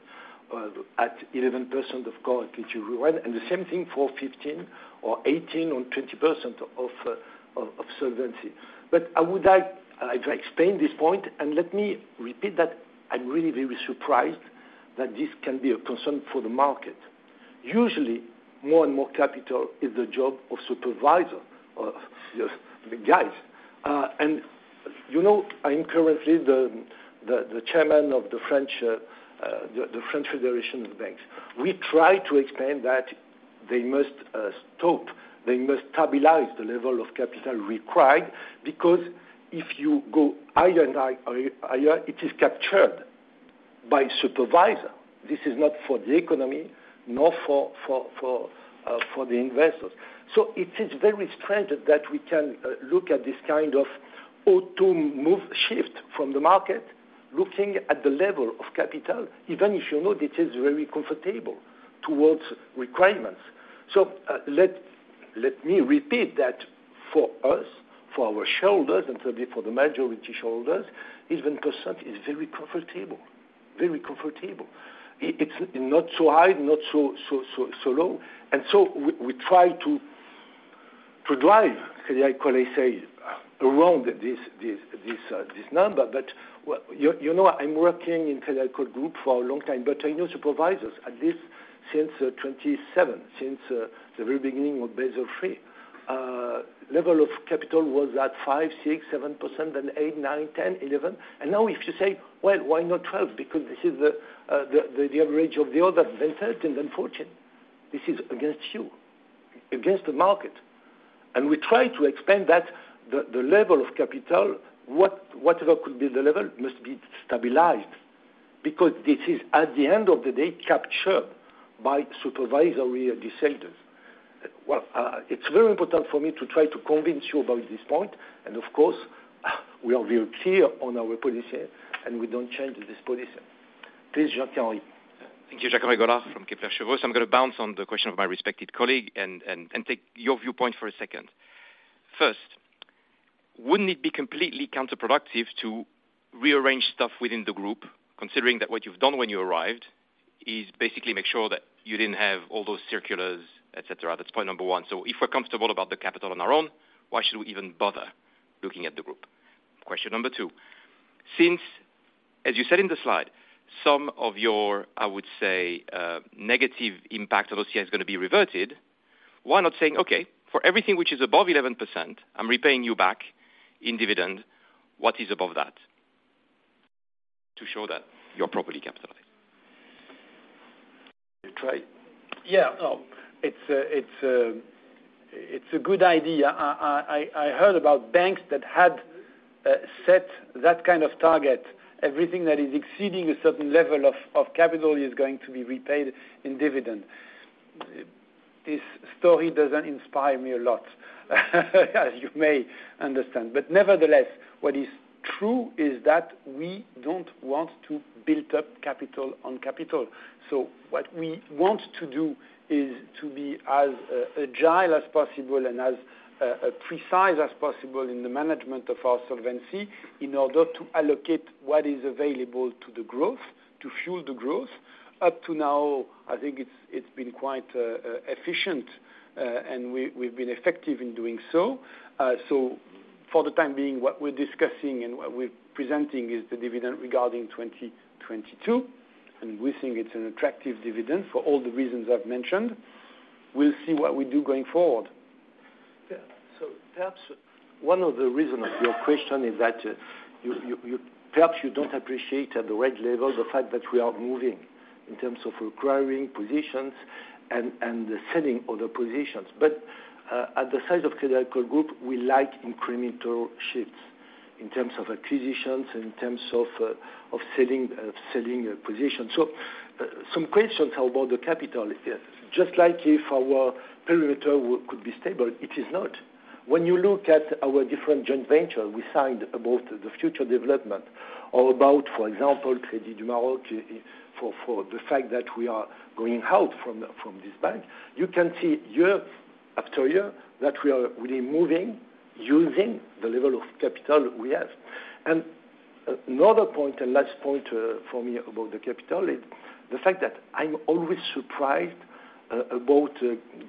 at 11% of core equity you want. The same thing for 15% or 18% or 20% of solvency. I would like to explain this point, and let me repeat that I'm really very surprised that this can be a concern for the market. Usually, more and more capital is the job of supervisor or the guys. You know, I'm currently the chairman of the French Federation of Banks. We try to explain that they must stop, they must stabilize the level of capital required, because if you go higher and higher, it is captured by supervisor. This is not for the economy, nor for the investors. It is very strange that we can look at this kind of auto move shift from the market, looking at the level of capital, even if you know this is very comfortable towards requirements. Let me repeat that for us, for our shareholders, and certainly for the majority shareholders, 11% is very comfortable. Very comfortable. It's not so high, not so low. We try to drive, as I say, around this number. You know, I'm working in Crédit Agricole Group for a long time, but I know supervisors, at least since 2027, since the very beginning of Basel III. Level of capital was at 5%, 6%, 7%, then 8%, 9%, 10%, 11%. Now if you say, "Well, why not 12%? Because this is the average of the other than 13%, then 14%." This is against you, against the market. We try to explain that the level of capital, whatever could be the level, must be stabilized. Because this is at the end of the day, captured by supervisory decisions. Well, it's very important for me to try to convince you about this point. Of course, we are very clear on our position, and we don't change this position. Please, Jacques-Henri. Thank you. Jacques-Henri Gaulard from Kepler Cheuvreux. I'm gonna bounce on the question of my respected colleague and take your viewpoint for a second. First, wouldn't it be completely counterproductive to rearrange stuff within the group, considering that what you've done when you arrived is basically make sure that you didn't have all those circulars, et cetera? That's point number one. If we're comfortable about the capital on our own, why should we even bother looking at the group? Question number two, As you said in the slide, some of your, I would say, negative impact of OCI is going to be reverted. Why not saying, "Okay, for everything which is above 11%, I'm repaying you back in dividend what is above that to show that you're properly capitalized"? You try. Yeah. No, it's a good idea. I heard about banks that had set that kind of target. Everything that is exceeding a certain level of capital is going to be repaid in dividend. This story doesn't inspire me a lot, as you may understand. Nevertheless, what is true is that we don't want to build up capital on capital. What we want to do is to be as agile as possible and as precise as possible in the management of our solvency in order to allocate what is available to the growth, to fuel the growth. Up to now, I think it's been quite efficient and we've been effective in doing so. For the time being, what we're discussing and what we're presenting is the dividend regarding 2022, and we think it's an attractive dividend for all the reasons I've mentioned. We'll see what we do going forward. Perhaps one of the reasons of your question is that you don't appreciate at the right level the fact that we are moving in terms of acquiring positions and the selling other positions. At the size of Crédit Agricole Group, we like incremental shifts in terms of acquisitions, in terms of selling a position. Some questions about the capital, just like if our perimeter could be stable, it is not. When you look at our different joint venture, we signed about the future development or about, for example, Crédit du Maroc for the fact that we are going out from this bank. You can see year after year that we are really moving, using the level of capital we have. Another point, the last point, from me about the capital is the fact that I'm always surprised about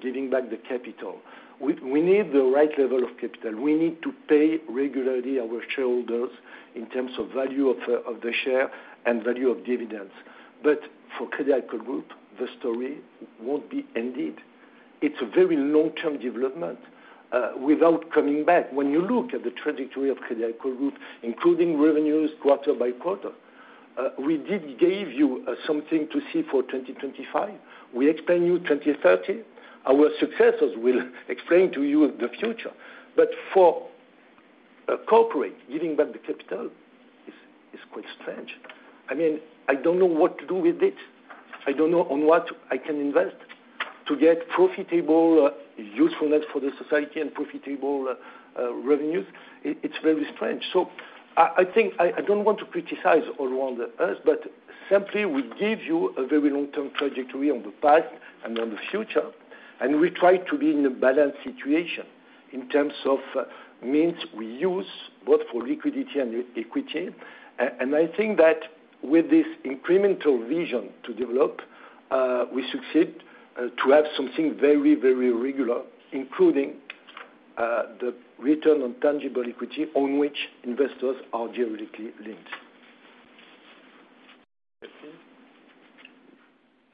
giving back the capital. We need the right level of capital. We need to pay regularly our shareholders in terms of value of the share and value of dividends. For Crédit Agricole Group, the story won't be ended. It's a very long-term development, without coming back. When you look at the trajectory of Crédit Agricole Group, including revenues quarter by quarter, we did gave you something to see for 2025. We explain you 2030. Our successors will explain to you the future. For a corporate, giving back the capital is quite strange. I mean, I don't know what to do with it. I don't know on what I can invest to get profitable usefulness for the society and profitable revenues. It's very strange. I think I don't want to criticize around us, but simply we give you a very long-term trajectory on the past and on the future, and we try to be in a balanced situation in terms of means we use, both for liquidity and equity. I think that with this incremental vision to develop, we succeed to have something very, very regular, including the return on tangible equity on which investors are directly linked. Delphine?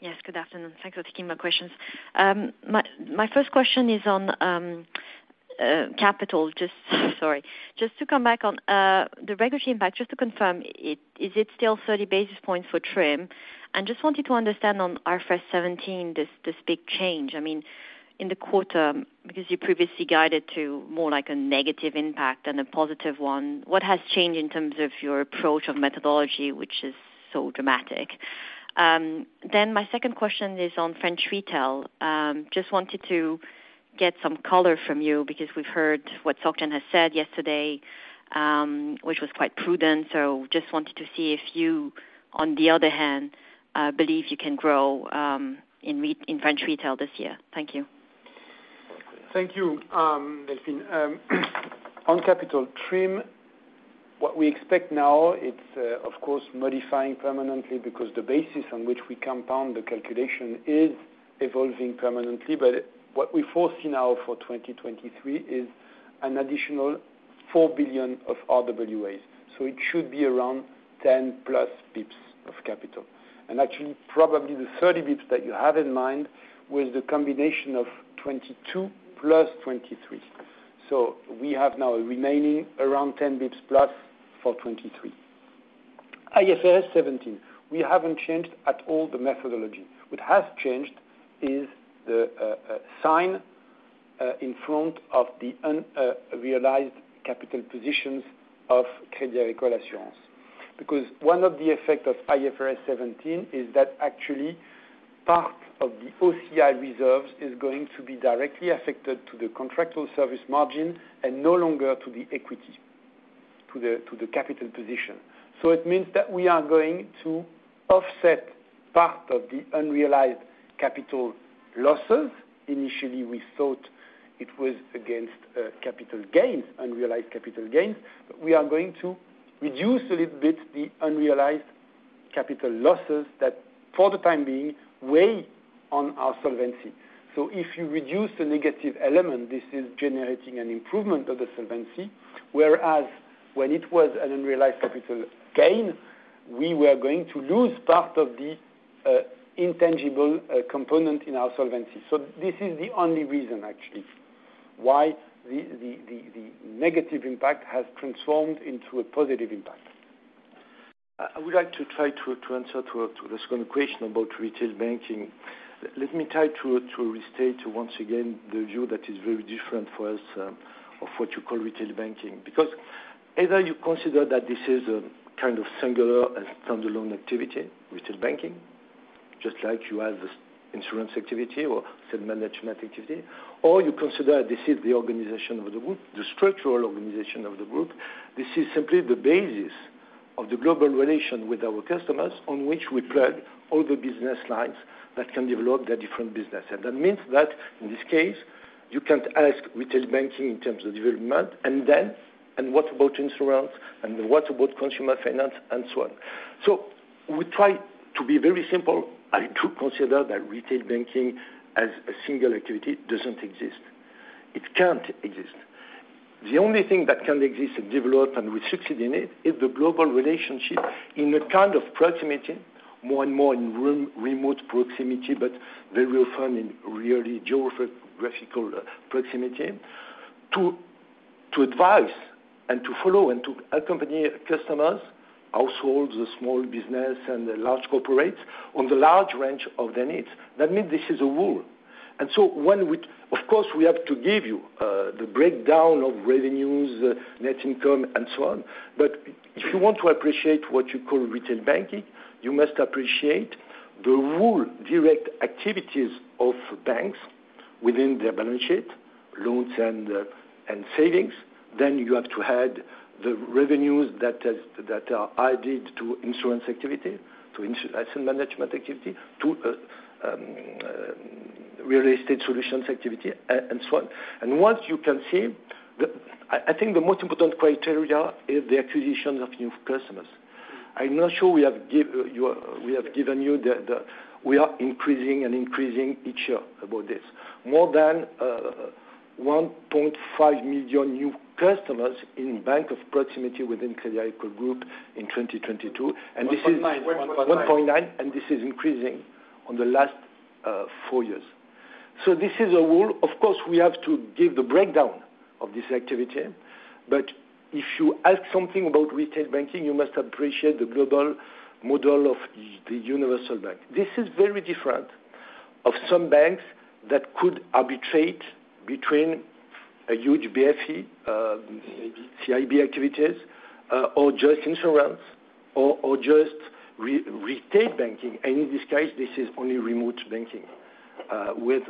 Yes, good afternoon. Thanks for taking my questions. My first question is on capital. Sorry. Just to come back on the regulatory impact, just to confirm, is it still 30 basis points for TRIM? Just wanted to understand on IFRS 17, this big change. I mean, in the quarter, because you previously guided to more like a negative impact than a positive one, what has changed in terms of your approach of methodology, which is so dramatic? My second question is on French retail. Just wanted to get some color from you because we've heard what SocGen has said yesterday, which was quite prudent. Just wanted to see if you, on the other hand, believe you can grow in French retail this year. Thank you. Thank you, Delphine. On capital TRIM, what we expect now, it's, of course, modifying permanently because the basis on which we compound the calculation is evolving permanently. What we foresee now for 2023 is an additional four billion of RWAs. It should be around 10 plus basis points of capital. Actually, probably the 30 basis points that you have in mind was the combination of 2022 plus 2023. We have now remaining around 10 basis points plus for 2023. IFRS 17, we haven't changed at all the methodology. What has changed is the sign in front of the unrealized capital positions of Crédit Agricole Assurances. One of the effect of IFRS 17 is that actually part of the OCI reserves is going to be directly affected to the contractual service margin and no longer to the equity, to the capital position. It means that we are going to offset part of the unrealized capital losses. Initially, we thought it was against capital gains, unrealized capital gains, but we are going to reduce a little bit the unrealized capital losses that for the time being weigh on our solvency. If you reduce the negative element, this is generating an improvement of the solvency, whereas when it was an unrealized capital gain, we were going to lose part of the intangible component in our solvency. This is the only reason actually why the negative impact has transformed into a positive impact. I would like to try to answer to the second question about retail banking. Let me try to restate once again the view that is very different for us of what you call retail banking. Either you consider that this is a kind of singular and standalone activity, retail banking, just like you have this insurance activity or asset management activity, or you consider this is the organization of the group, the structural organization of the group. This is simply the basis of the global relation with our customers on which we plug all the business lines that can develop their different business. That means that in this case, you can't ask retail banking in terms of development and then what about insurance and what about consumer finance, and so on. We try to be very simple and to consider that retail banking as a single activity doesn't exist. It can't exist. The only thing that can exist and develop, and we succeed in it, is the global relationship in a kind of proximity, more and more in rem-remote proximity, but very often in really geographical proximity, to advise and to follow and to accompany customers, households, small business and large corporates on the large range of their needs. That means this is a rule. Of course, we have to give you the breakdown of revenues, net income and so on. If you want to appreciate what you call retail banking, you must appreciate the whole direct activities of banks within their balance sheet, loans and savings. You have to add the revenues that are added to insurance activity, to asset management activity, to real estate solutions activity and so on. Once you can see the. I think the most important criteria is the acquisition of new customers. I'm not sure we have give you, we have given you the. We are increasing and increasing each year about this. More than 1.5 million new customers in bank of proximity within Crédit Agricole Group in 2022. This is. One point nine. One point nine. 1.9. This is increasing on the last four years. This is a rule. Of course, we have to give the breakdown of this activity. If you ask something about retail banking, you must appreciate the global model of the universal bank. This is very different of some banks that could arbitrate between a huge BFC, CIB activities, or just insurance or just retail banking. In this case, this is only remote banking, with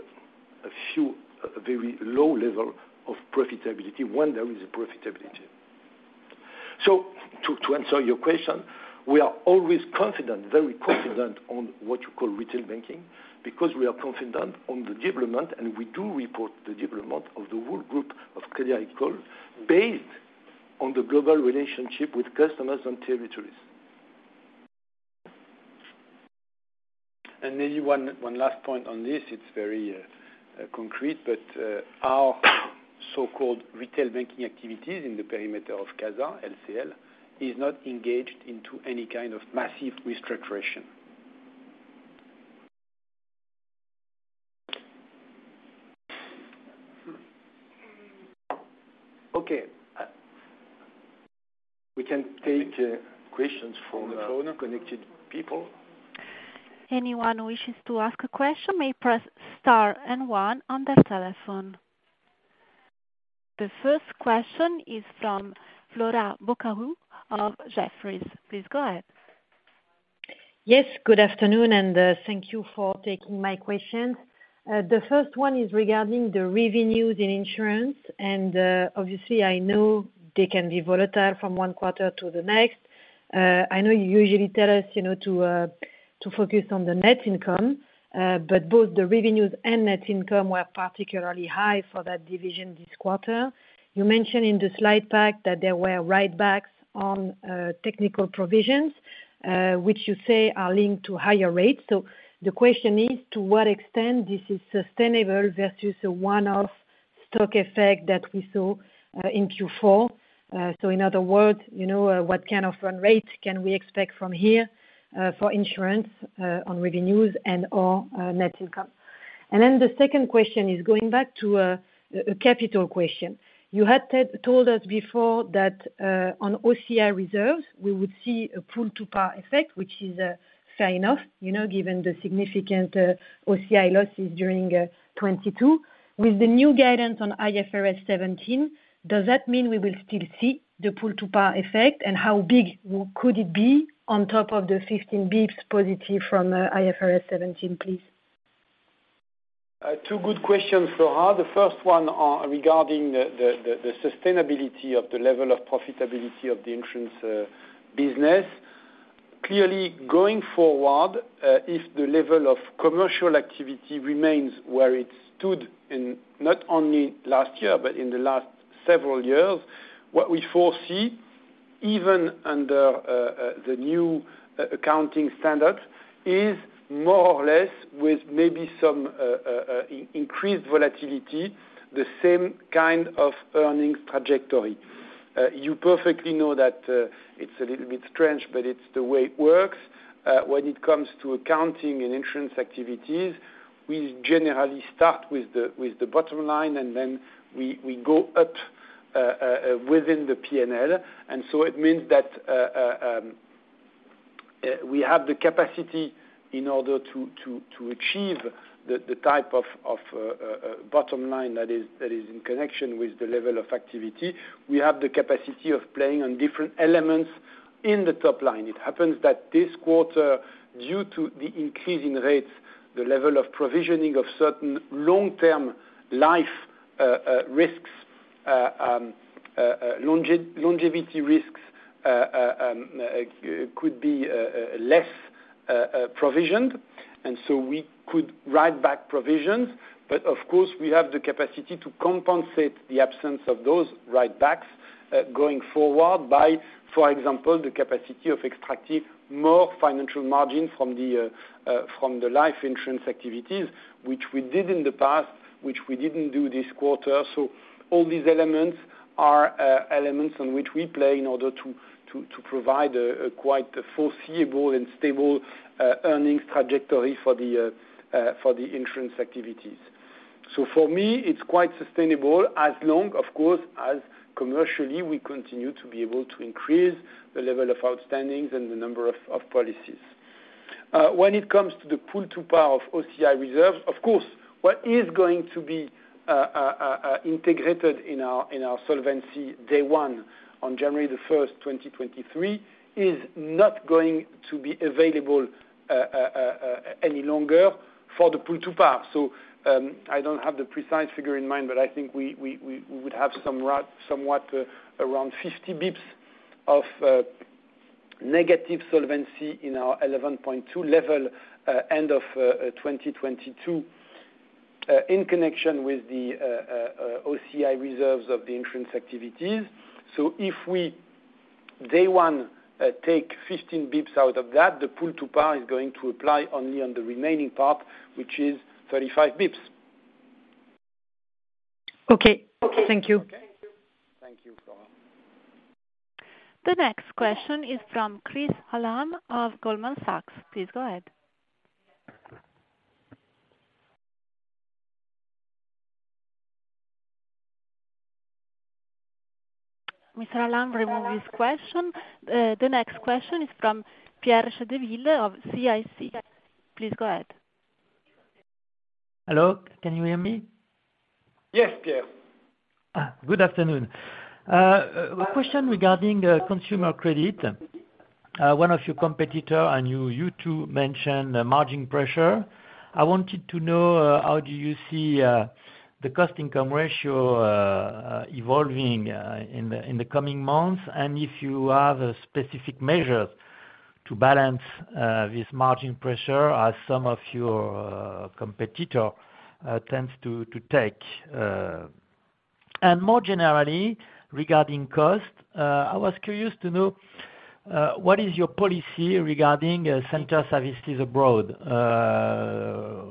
a few, a very low level of profitability, when there is a profitability. To answer your question, we are always confident, very confident on what you call retail banking, because we are confident on the development, and we do report the development of the whole group of Crédit Agricole based on the global relationship with customers and territories. Maybe one last point on this, it's very concrete, but our so-called retail banking activities in the perimeter of CASA LCL is not engaged into any kind of massive restructuration. Okay. We can take questions from the phone-connected people. Anyone who wishes to ask a question may press star and one on their telephone. The first question is from Flora Bocahut of Jefferies. Please go ahead. Yes, good afternoon, and thank you for taking my questions. The first one is regarding the revenues in insurance. Obviously, I know they can be volatile from one quarter to the next. I know you usually tell us, you know, to focus on the net income, but both the revenues and net income were particularly high for that division this quarter. You mentioned in the slide pack that there were write-backs on technical provisions, which you say are linked to higher rates. The question is, to what extent this is sustainable versus a one-off stock effect that we saw in Q4? In other words, you know, what kind of run rate can we expect from here for insurance on revenues and/or net income? The second question is going back to a capital question. You had told us before that on OCI reserves, we would see a pull-to-par effect, which is fair enough, you know, given the significant OCI losses during 2022. With the new guidance on IFRS-17, does that mean we will still see the pull-to-par effect? How big could it be on top of the 15 basis points positive from IFRS-17, please? Two good questions, Flora. The first one, regarding the sustainability of the level of profitability of the insurance business. Clearly, going forward, if the level of commercial activity remains where it stood in not only last year but in the last several years What we foresee even under the new accounting standard is more or less with maybe some increased volatility, the same kind of earnings trajectory. You perfectly know that it's a little bit strange, but it's the way it works. When it comes to accounting and insurance activities, we generally start with the bottom line, we go up within the P&L. It means that we have the capacity in order to achieve the type of bottom line that is in connection with the level of activity. We have the capacity of playing on different elements in the top line. It happens that this quarter, due to the increase in rates, the level of provisioning of certain long-term life risks, longevity risks, could be less provisioned, and so we could write back provisions. Of course, we have the capacity to compensate the absence of those write backs going forward by, for example, the capacity of extracting more financial margin from the life insurance activities, which we did in the past, which we didn't do this quarter. All these elements are elements on which we play in order to provide a quite foreseeable and stable earnings trajectory for the insurance activities. For me, it's quite sustainable as long, of course, as commercially we continue to be able to increase the level of outstandings and the number of policies. When it comes to the pull to par of OCI reserves, of course, what is going to be integrated in our, in our solvency day one on January 1st, 2023, is not going to be available any longer for the pull to par. I don't have the precise figure in mind, but I think we would have somewhat around 50 basis points of negative solvency in our 11.2 level end of 2022, in connection with the OCI reserves of the insurance activities. If we, day one, take 15 basis points out of that, the pull to par is going to apply only on the remaining part, which is 35 basis points. Okay. Thank you. Thank you, Flora. The next question is from Chris Hallam of Goldman Sachs. Please go ahead. Mr. Hallam removed his question. The next question is from Pierre Chédeville of CIC. Please go ahead. Hello. Can you hear me? Yes, Pierre. Good afternoon. A question regarding consumer credit. One of your competitors, and you too, mentioned the margin pressure. I wanted to know how do you see the cost income ratio evolving in the coming months, and if you have a specific measure to balance this margin pressure as some of your competitors tends to take. More generally, regarding cost, I was curious to know what is your policy regarding center services abroad?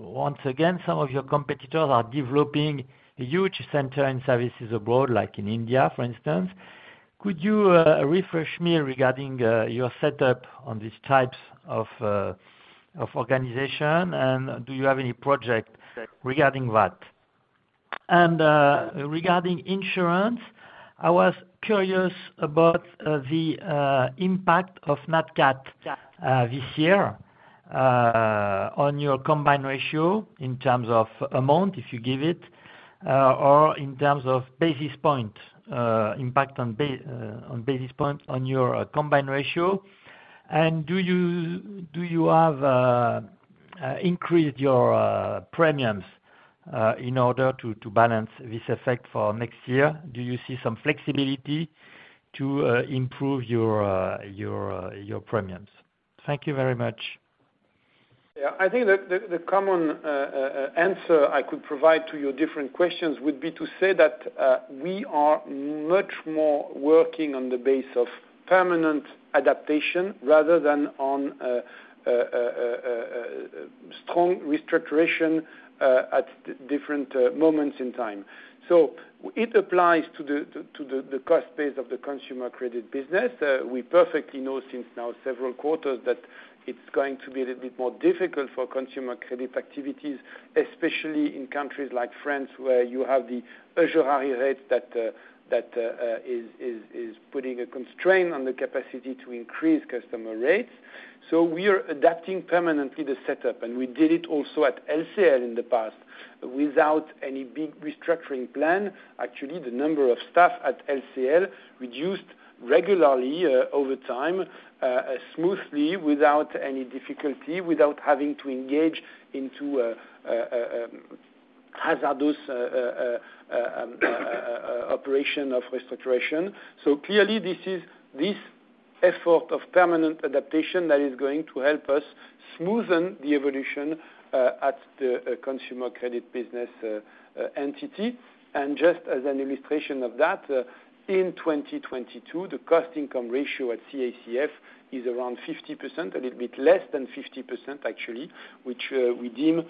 Once again, some of your competitors are developing a huge center in services abroad, like in India, for instance. Could you refresh me regarding your setup on these types of organization, and do you have any project regarding that? Regarding insurance, I was curious about the impact of NatCat this year on your combined ratio in terms of amount, if you give it, or in terms of basis points, impact on basis points on your combined ratio. Do you have increased your premiums in order to balance this effect for next year? Do you see some flexibility to improve your premiums? Thank you very much. Yeah. I think that the common answer I could provide to your different questions would be to say that we are much more working on the base of permanent adaptation rather than on strong restructuration at different moments in time. It applies to the cost base of the consumer credit business. We perfectly know since now several quarters that it's going to be a little bit more difficult for consumer credit activities, especially in countries like France, where you have the usury rate that is putting a constraint on the capacity to increase customer rates. We are adapting permanently the setup, and we did it also at LCL in the past without any big restructuring plan. Actually, the number of staff at LCL reduced regularly over time, smoothly, without any difficulty, without having to engage into a hazardous operation of restructuration. Clearly this Effort of permanent adaptation that is going to help us smoothen the evolution at the consumer credit business entity. Just as an illustration of that, in 2022, the cost income ratio at CACF is around 50%, a little bit less than 50% actually, which we deem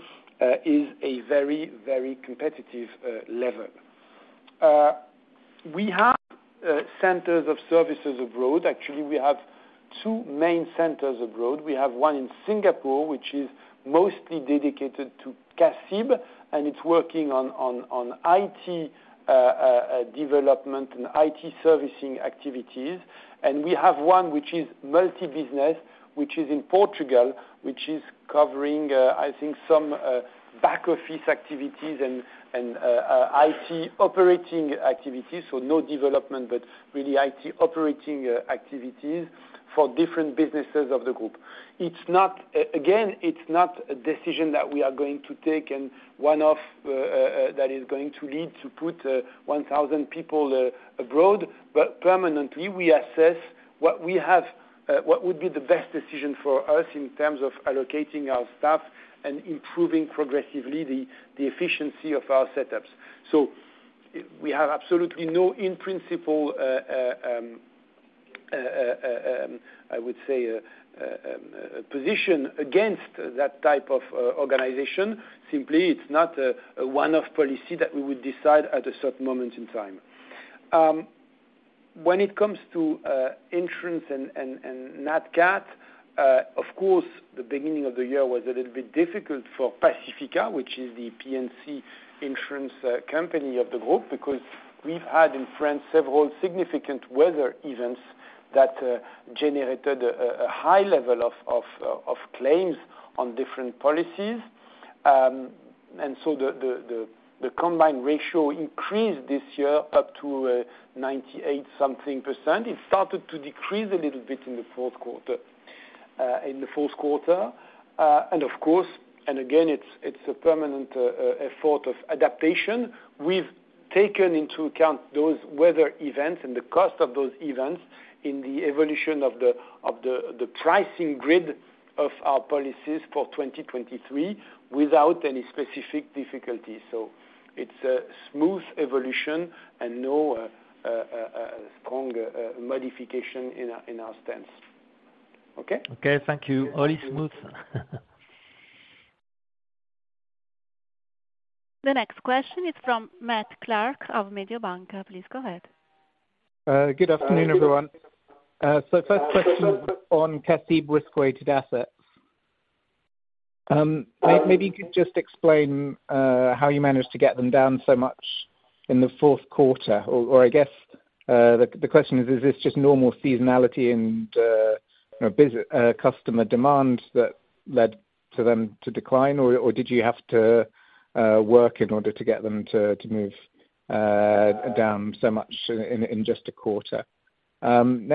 is a very, very competitive level. We have centers of services abroad. Actually, we have two main centers abroad. We have one in Singapore, which is mostly dedicated to CACIB, and it's working on IT development and IT servicing activities. We have one which is multi-business, which is in Portugal, which is covering, I think some back office activities and IT operating activities. No development, but really IT operating activities for different businesses of the group. It's not, again, it's not a decision that we are going to take, and one of that is going to lead to put 1,000 people abroad. Permanently, we assess what we have, what would be the best decision for us in terms of allocating our staff and improving progressively the efficiency of our setups. We have absolutely no, in principle, I would say, position against that type of organization. Simply, it's not a one-off policy that we would decide at a certain moment in time. When it comes to insurance and NatCat, of course, the beginning of the year was a little bit difficult for Pacifica, which is the P&C insurance company of the group. We've had in France, several significant weather events that generated a high level of claims on different policies. The combined ratio increased this year up to 98% something percent. It started to decrease a little bit in the fourth quarter. And of course, and again, it's a permanent effort of adaptation. We've taken into account those weather events and the cost of those events in the evolution of the pricing grid of our policies for 2023 without any specific difficulty. It's a smooth evolution and no strong modification in our, in our stance. Okay? Okay, thank you. All smooth. The next question is from Matt Clark of Mediobanca. Please go ahead. Good afternoon, everyone. First question on CACIB Risk-Weighted Assets. Maybe you could just explain how you managed to get them down so much in the 4th quarter. Or I guess, the question is this just normal seasonality and, you know, customer demand that led to them to decline? Or did you have to work in order to get them to move down so much in just a quarter?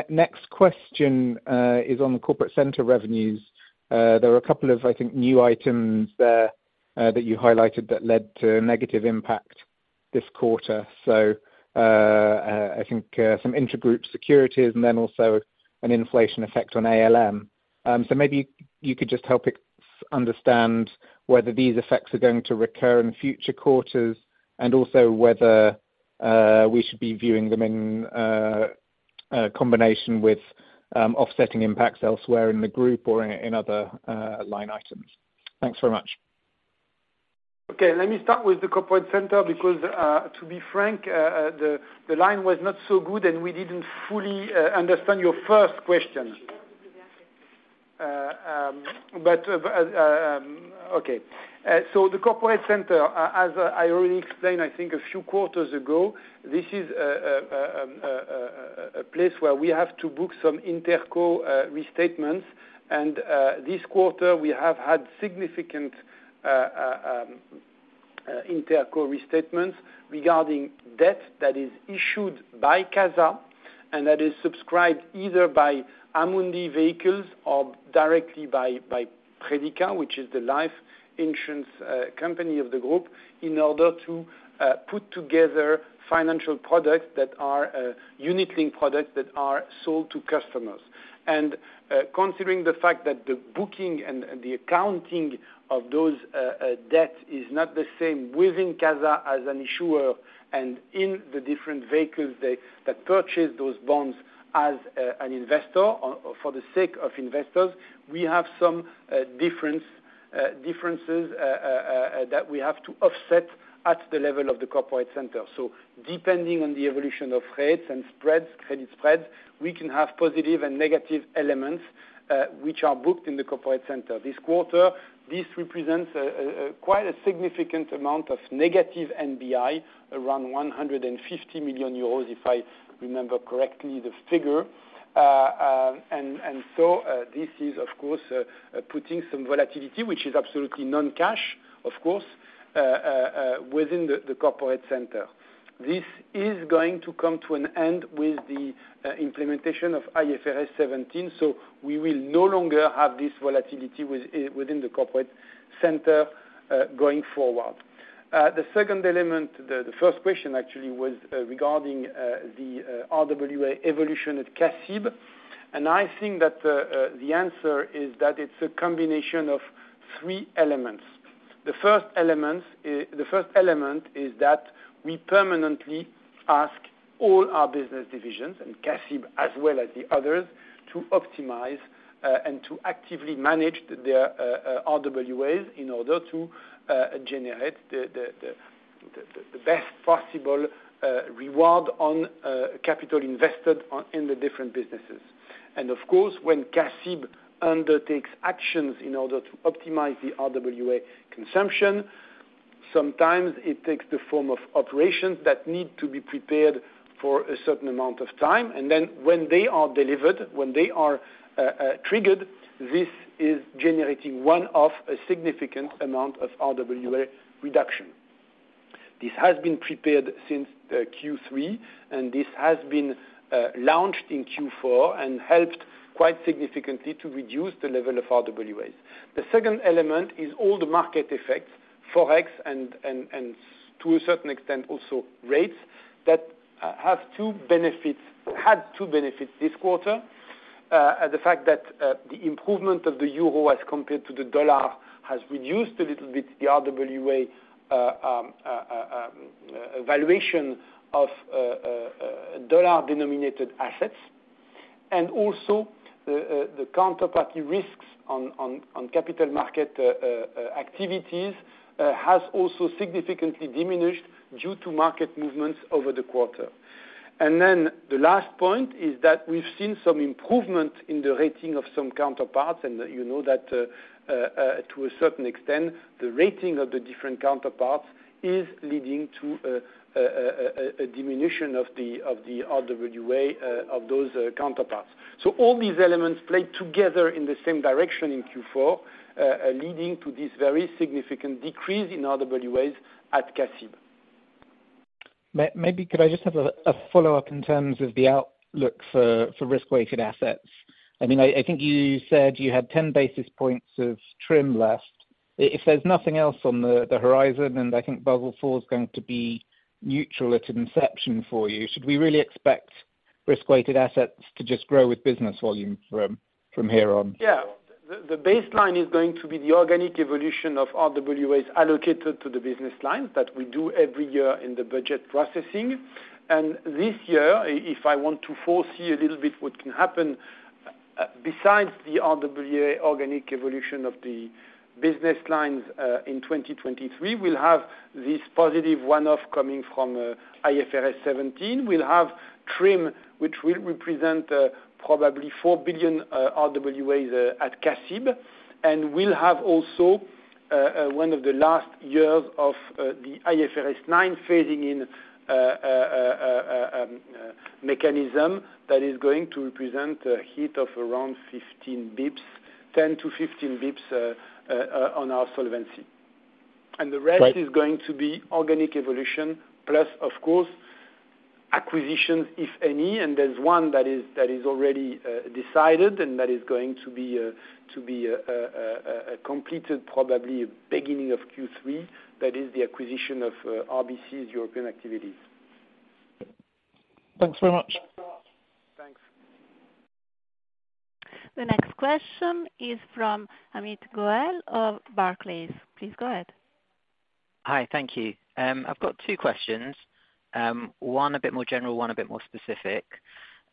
Next question is on the corporate center revenues. There are a couple of, I think, new items there that you highlighted that led to a negative impact this quarter. I think, some inter-group securities and then also an inflation effect on ALM. Maybe you could just help us understand whether these effects are going to recur in future quarters. Also whether we should be viewing them in a combination with offsetting impacts elsewhere in the group or in other line items. Thanks very much. Okay, let me start with the corporate center, because to be frank, the line was not so good, and we didn't fully understand your first question. Okay. The corporate center, as I already explained, I think a few quarters ago, this is a place where we have to book some Interco restatements. This quarter, we have had significant Interco restatements regarding debt that is issued by CASA, and that is subscribed either by Amundi vehicles or directly by Predica, which is the life insurance company of the group, in order to put together financial products that are unit-linked products that are sold to customers. And, uh, considering the fact that the booking and, and the accounting of those, uh, uh, debts is not the same within Casa as an issuer and in the different vehicles they, that purchase those bonds as, uh, an investor or for the sake of investors, we have some, uh, difference, uh, differences, uh, uh, uh, that we have to offset at the level of the corporate center. So depending on the evolution of rates and spreads, credit spreads, we can have positive and negative elements, uh, which are booked in the corporate center. This quarter, this represents, uh, uh, quite a significant amount of negative NBI, around 150 million euros, if I remember correctly, the figure. Uh, um, and, and so, uh, this is of course, uh, putting some volatility, which is absolutely non-cash, of course, uh, uh, uh, within the, the corporate center. This is going to come to an end with the implementation of IFRS 17. We will no longer have this volatility within the corporate center going forward. The second element, the first question actually was regarding the RWA evolution at CACIB. I think that the answer is that it's a combination of three elements. The first element is that we permanently ask all our business divisions, and CACIB as well as the others, to optimize and to actively manage their RWAs in order to generate the best possible reward on capital invested in the different businesses. Of course, when CACIB undertakes actions in order to optimize the RWA consumption, sometimes it takes the form of operations that need to be prepared for a certain amount of time. Then when they are delivered, when they are triggered, this is generating one-off, a significant amount of RWA reduction. This has been prepared since Q3, this has been launched in Q4 and helped quite significantly to reduce the level of RWAs. The second element is all the market effects, forex and to a certain extent, also rates, that have two benefits, had two benefits this quarter. The fact that the improvement of the euro as compared to the dollar has reduced a little bit the RWA valuation of dollar-denominated assets. Also the counterparty risks on capital market activities has also significantly diminished due to market movements over the quarter. The last point is that we've seen some improvement in the rating of some counterparts, and you know that to a certain extent, the rating of the different counterparts is leading to a diminution of the RWA of those counterparts. All these elements play together in the same direction in Q4, leading to this very significant decrease in RWAs at CACIB. Maybe could I just have a follow-up in terms of the outlook for risk-weighted assets? I mean, I think you said you had 10 basis points of TRIM left. If there's nothing else on the horizon, and I think Basel IV's going to be neutral at inception for you, should we really expect risk-weighted assets to just grow with business volume from here on? Yeah. The baseline is going to be the organic evolution of RWAs allocated to the business line that we do every year in the budget processing. This year, if I want to foresee a little bit what can happen, besides the RWA organic evolution of the business lines, in 2023, we'll have this positive one-off coming from IFRS 17. We'll have TRIM, which will represent probably 4 billion RWAs at CACIB. We'll have also one of the last years of the IFRS 9 phasing in mechanism that is going to represent a hit of around 15 basis points, 10-15 basis points on our solvency. Right. The rest is going to be organic evolution plus, of course, acquisitions, if any. There's one that is already decided, and that is going to be completed probably beginning of Q3. That is the acquisition of RBC's European activities. Thanks very much. Thanks. The next question is from Amit Goel of Barclays. Please go ahead. Hi, thank you. I've got two questions, one a bit more general, one a bit more specific.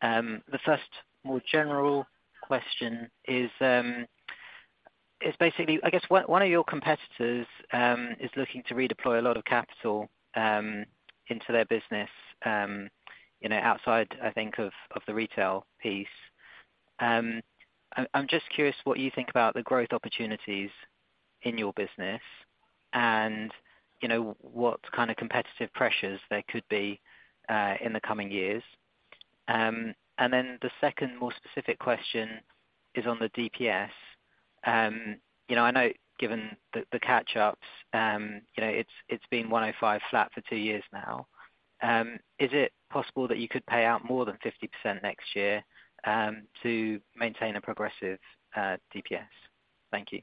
The first more general question is basically, I guess, one of your competitors, is looking to redeploy a lot of capital, into their business, you know, outside, I think, of the retail piece. I'm just curious what you think about the growth opportunities in your business and, you know, what kind of competitive pressures there could be, in the coming years. The second, more specific question is on the DPS. You know, I know given the catch-ups, you know, it's been 1.05 flat for two years now. Is it possible that you could pay out more than 50% next year, to maintain a progressive, DPS? Thank you.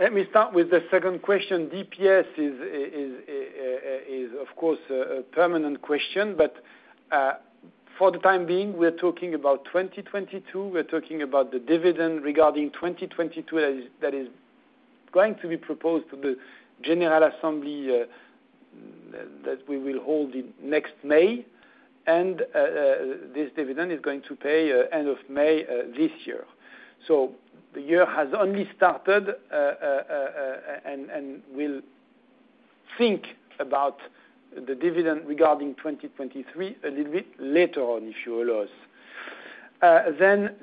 Let me start with the second question. DPS is, of course, a permanent question. For the time being, we're talking about 2022. We're talking about the dividend regarding 2022 that is going to be proposed to the general assembly that we will hold in next May. This dividend is going to pay end of May this year. The year has only started, and we'll think about the dividend regarding 2023 a little bit later on, if you will.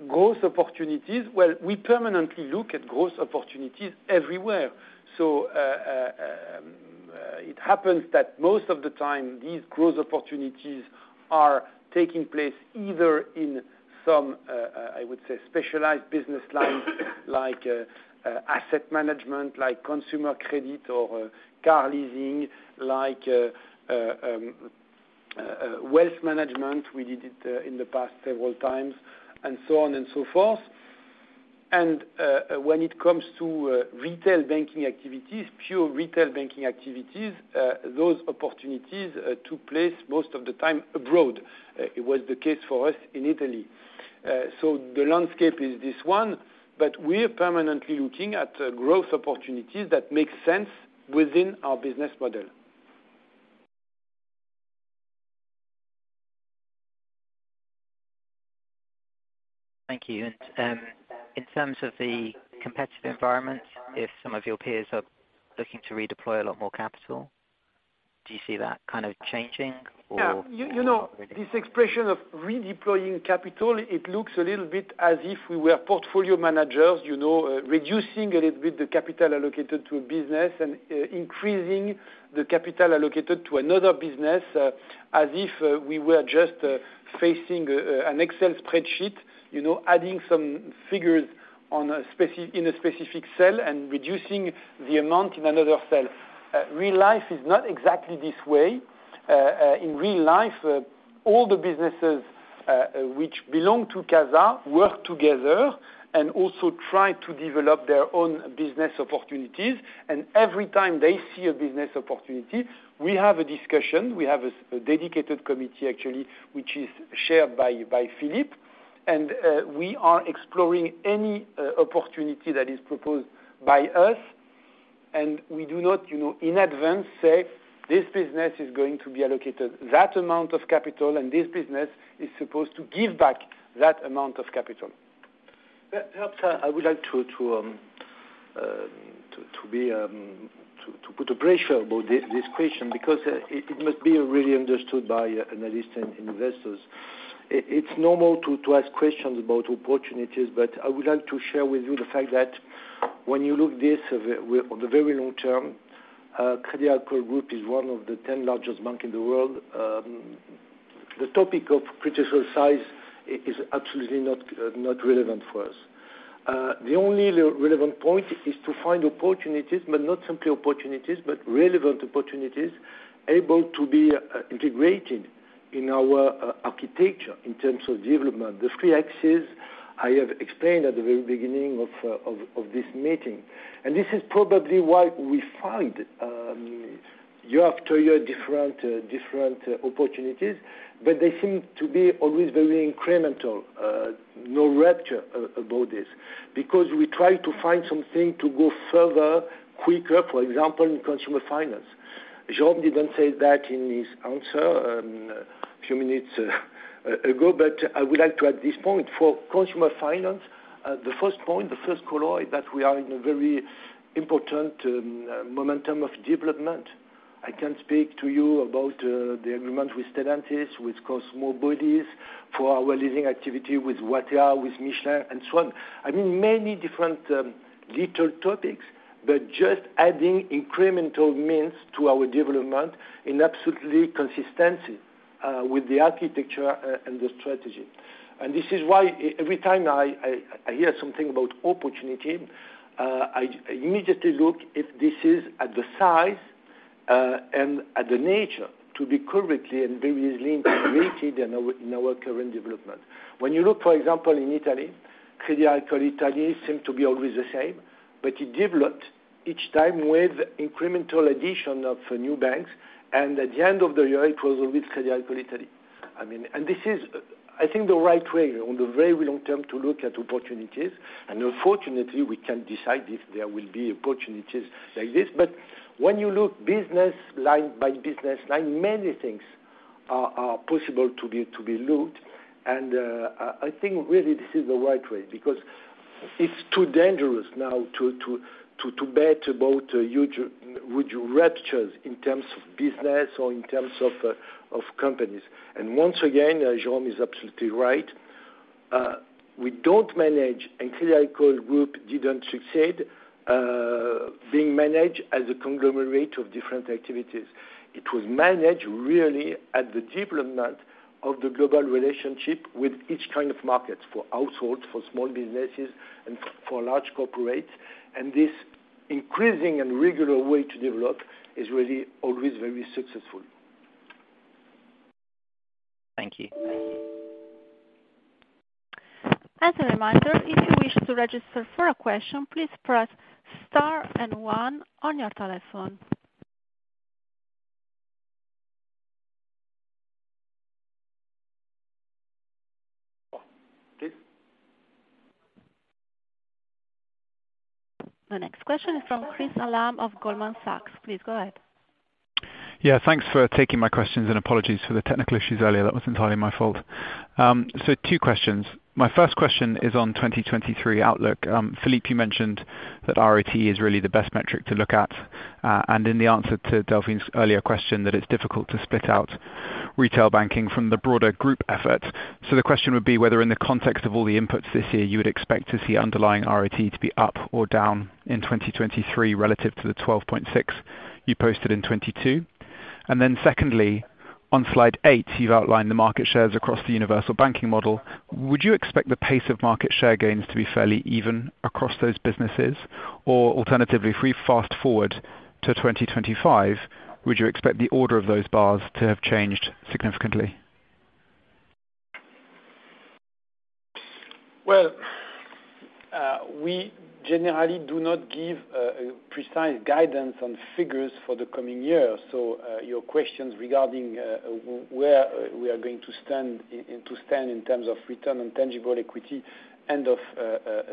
Growth opportunities, well, we permanently look at growth opportunities everywhere. It happens that most of the time, these growth opportunities are taking place either in some, I would say, specialized business lines, like asset management, like consumer credit or car leasing, like wealth management, we did it in the past several times, and so on and so forth. When it comes to retail banking activities, pure retail banking activities, those opportunities took place most of the time abroad. It was the case for us in Italy. The landscape is this one, but we're permanently looking at growth opportunities that make sense within our business model. Thank you. In terms of the competitive environment, if some of your peers are looking to redeploy a lot more capital, do you see that kind of changing or not really? Yeah. You, you know, this expression of redeploying capital, it looks a little bit as if we were portfolio managers, you know, reducing a little bit the capital allocated to a business and increasing the capital allocated to another business as if we were just facing an Excel spreadsheet. You know, adding some figures in a specific cell and reducing the amount in another cell. Real life is not exactly this way. In real life, all the businesses which belong to CASA work together and also try to develop their own business opportunities. Every time they see a business opportunity, we have a discussion. We have a dedicated committee, actually, which is chaired by Philippe. We are exploring any opportunity that is proposed by us, and we do not, you know, in advance say, "This business is going to be allocated that amount of capital, and this business is supposed to give back that amount of capital. Perhaps I would like to put a pressure about this question because it must be really understood by analysts and investors. It's normal to ask questions about opportunities, but I would like to share with you the fact that when you look this on the very long term, Crédit Agricole Group is one of the 10 largest bank in the world. The topic of critical size is absolutely not relevant for us. The only relevant point is to find opportunities, but not simply opportunities, but relevant opportunities able to be integrated in our architecture in terms of development. The three axes I have explained at the very beginning of this meeting. This is probably why we find year after year different different opportunities. They seem to be always very incremental. No rapture about this because we try to find something to go further quicker, for example, in consumer finance. Jérôme didn't say that in his answer a few minutes ago. I would like to add this point. For consumer finance, the first point, the first colloid that we are in a very important momentum of development. I can speak to you about the agreement with Stellantis, with Leasys for our leasing activity with Watèa, with Michelin, and so on. I mean, many different little topics, but just adding incremental means to our development in absolutely consistency with the architecture and the strategy. This is why every time I hear something about opportunity, I immediately look if this is at the size and at the nature to be correctly and previously integrated in our current development. When you look, for example, in Italy, Crédit Agricole Italia seem to be always the same, but it developed each time with incremental addition of new banks, and at the end of the year it was always Crédit Agricole Italia. I mean, this is, I think, the right way on the very long term to look at opportunities. Unfortunately, we can't decide if there will be opportunities like this. When you look business line by business line, many things are possible to be looked. I think really this is the right way because it's too dangerous now to bet about huge, huge raptures in terms of business or in terms of companies. Once again, Jérôme is absolutely right. We don't manage, and Crédit Agricole Group didn't succeed being managed as a conglomerate of different activities. It was managed really at the deployment of the global relationship with each kind of market. For households, for small businesses, and for large corporates. This increasing and regular way to develop is really always very successful. Thank you. As a reminder, if you wish to register for a question, please press star and one on your telephone. The next question is from Chris Hallam of Goldman Sachs. Please go ahead. Thanks for taking my questions, and apologies for the technical issues earlier. That was entirely my fault. Two questions. My first question is on 2023 outlook. Philippe, you mentioned that RoTE is really the best metric to look at, and in the answer to Delphine's earlier question that it's difficult to split out retail banking from the broader group effort. The question would be whether, in the context of all the inputs this year, you would expect to see underlying RoTE to be up or down in 2023 relative to the 12.6% you posted in 2022. Secondly, on slide 8, you've outlined the market shares across the universal banking model. Would you expect the pace of market share gains to be fairly even across those businesses? Alternatively, if we fast-forward to 2025, would you expect the order of those bars to have changed significantly? Well, we generally do not give precise guidance on figures for the coming year. Your questions regarding where we are going to stand and to stand in terms of return on tangible equity end of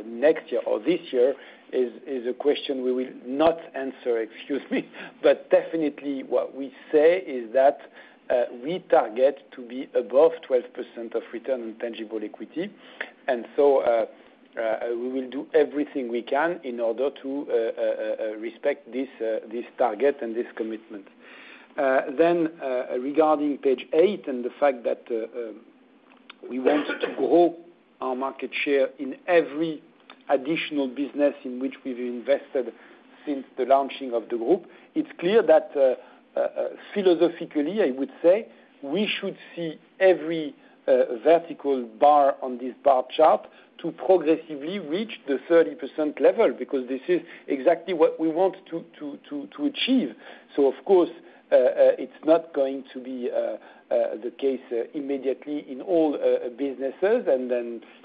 next year or this year is a question we will not answer. Excuse me. Definitely what we say is that we target to be above 12% of return on tangible equity. We will do everything we can in order to respect this target and this commitment. Regarding page eight and the fact that, we want to grow our market share in every additional business in which we've invested since the launching of the group, it's clear that, philosophically, I would say, we should see every vertical bar on this bar chart to progressively reach the 30% level, because this is exactly what we want to achieve. Of course, it's not going to be the case immediately in all businesses.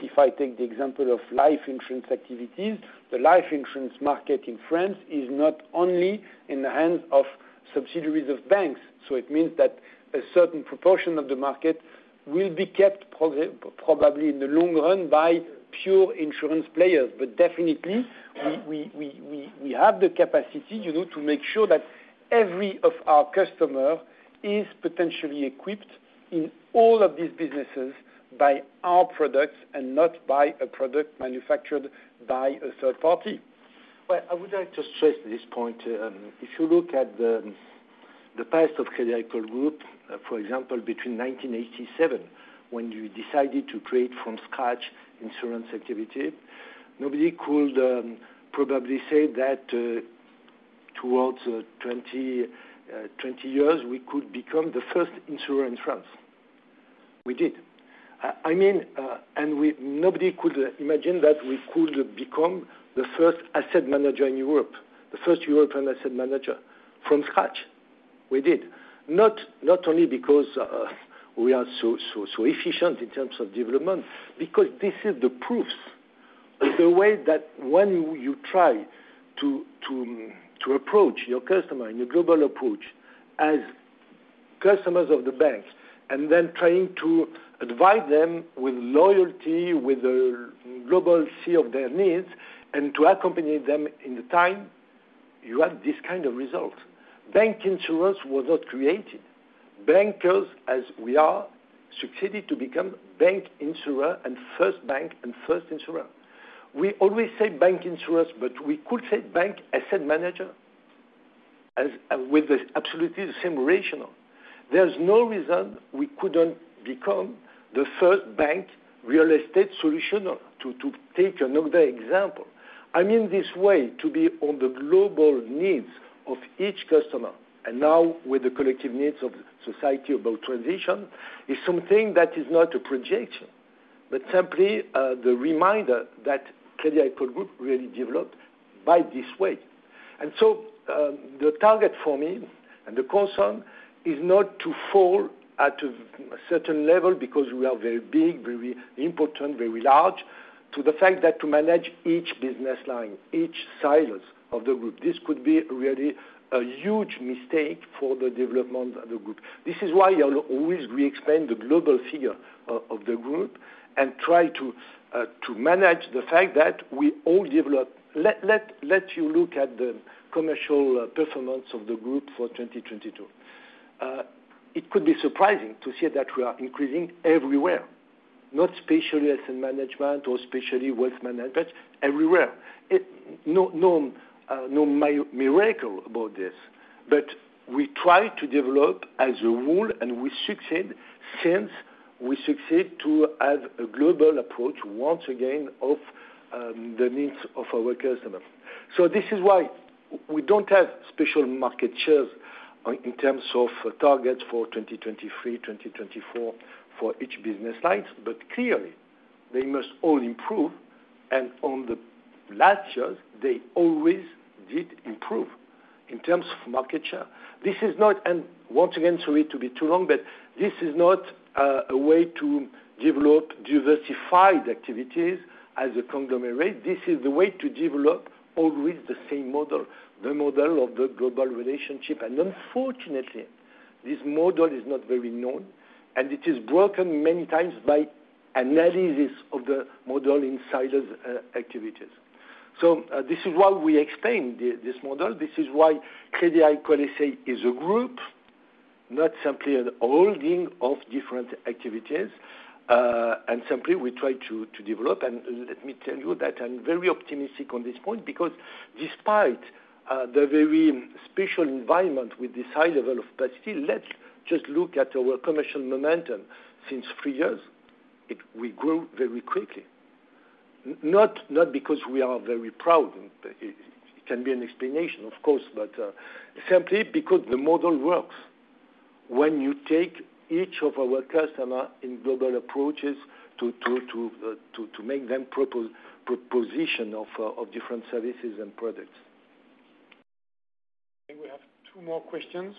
If I take the example of life insurance activities, the life insurance market in France is not only in the hands of subsidiaries of banks. It means that a certain proportion of the market will be kept probably in the long run by pure insurance players. Definitely, we have the capacity, you know, to make sure that every of our customer is potentially equipped in all of these businesses by our products and not by a product manufactured by a third party. Well, I would like to stress this point. If you look at the past of Crédit Agricole Group, for example, between 1987, when we decided to create from scratch insurance activity, nobody could probably say that towards 20 years, we could become the first insurer in France. We did. I mean, and nobody could imagine that we could become the first asset manager in Europe, the first European asset manager from scratch. We did. Not only because we are so efficient in terms of development, because this is the proofs of the way that when you try to approach your customer in a global approach as customers of the banks, and then trying to advise them with loyalty, with a global see of their needs, and to accompany them in the time, you have this kind of result. Bank insurance was not created. Bankers, as we are, succeeded to become bank insurer and first bank and first insurer. We always say bank insurance, but we could say bank asset manager as, with the absolutely the same rationale. There's no reason we couldn't become the first bank real estate solutioner to take another example. I mean, this way to be on the global needs of each customer, and now with the collective needs of society about transition, is something that is not a projection, but simply the reminder that Crédit Agricole Group really developed by this way. The target for me and the concern is not to fall at a certain level because we are very big, very important, very large to the fact that to manage each business line, each silos of the group, this could be really a huge mistake for the development of the group. This is why I'll always re-explain the global figure of the group and try to manage the fact that we all develop. Let you look at the commercial performance of the group for 2022. It could be surprising to see that we are increasing everywhere, not especially asset management or especially wealth management, everywhere. No, no miracle about this. We try to develop as a rule, and we succeed since we succeed to have a global approach, once again, of the needs of our customers. This is why we don't have special market shares on, in terms of targets for 2023, 2024 for each business lines, but clearly they must all improve. On the last years, they always did improve in terms of market share. This is not, once again, sorry to be too long, this is not a way to develop diversified activities as a conglomerate. This is the way to develop always the same model, the model of the global relationship. Unfortunately, this model is not very known, and it is broken many times by analysis of the model insiders, activities. This is why we explain this model. This is why Crédit Agricole S.A. is a group, not simply a holding of different activities. Simply we try to develop. Let me tell you that I'm very optimistic on this point, because despite the very special environment with this high level of capacity, let's just look at our commercial momentum since three years. We grew very quickly. Not because we are very proud. It can be an explanation, of course, but simply because the model works. When you take each of our customer in global approaches to make them proposition of different services and products. I think we have two more questions.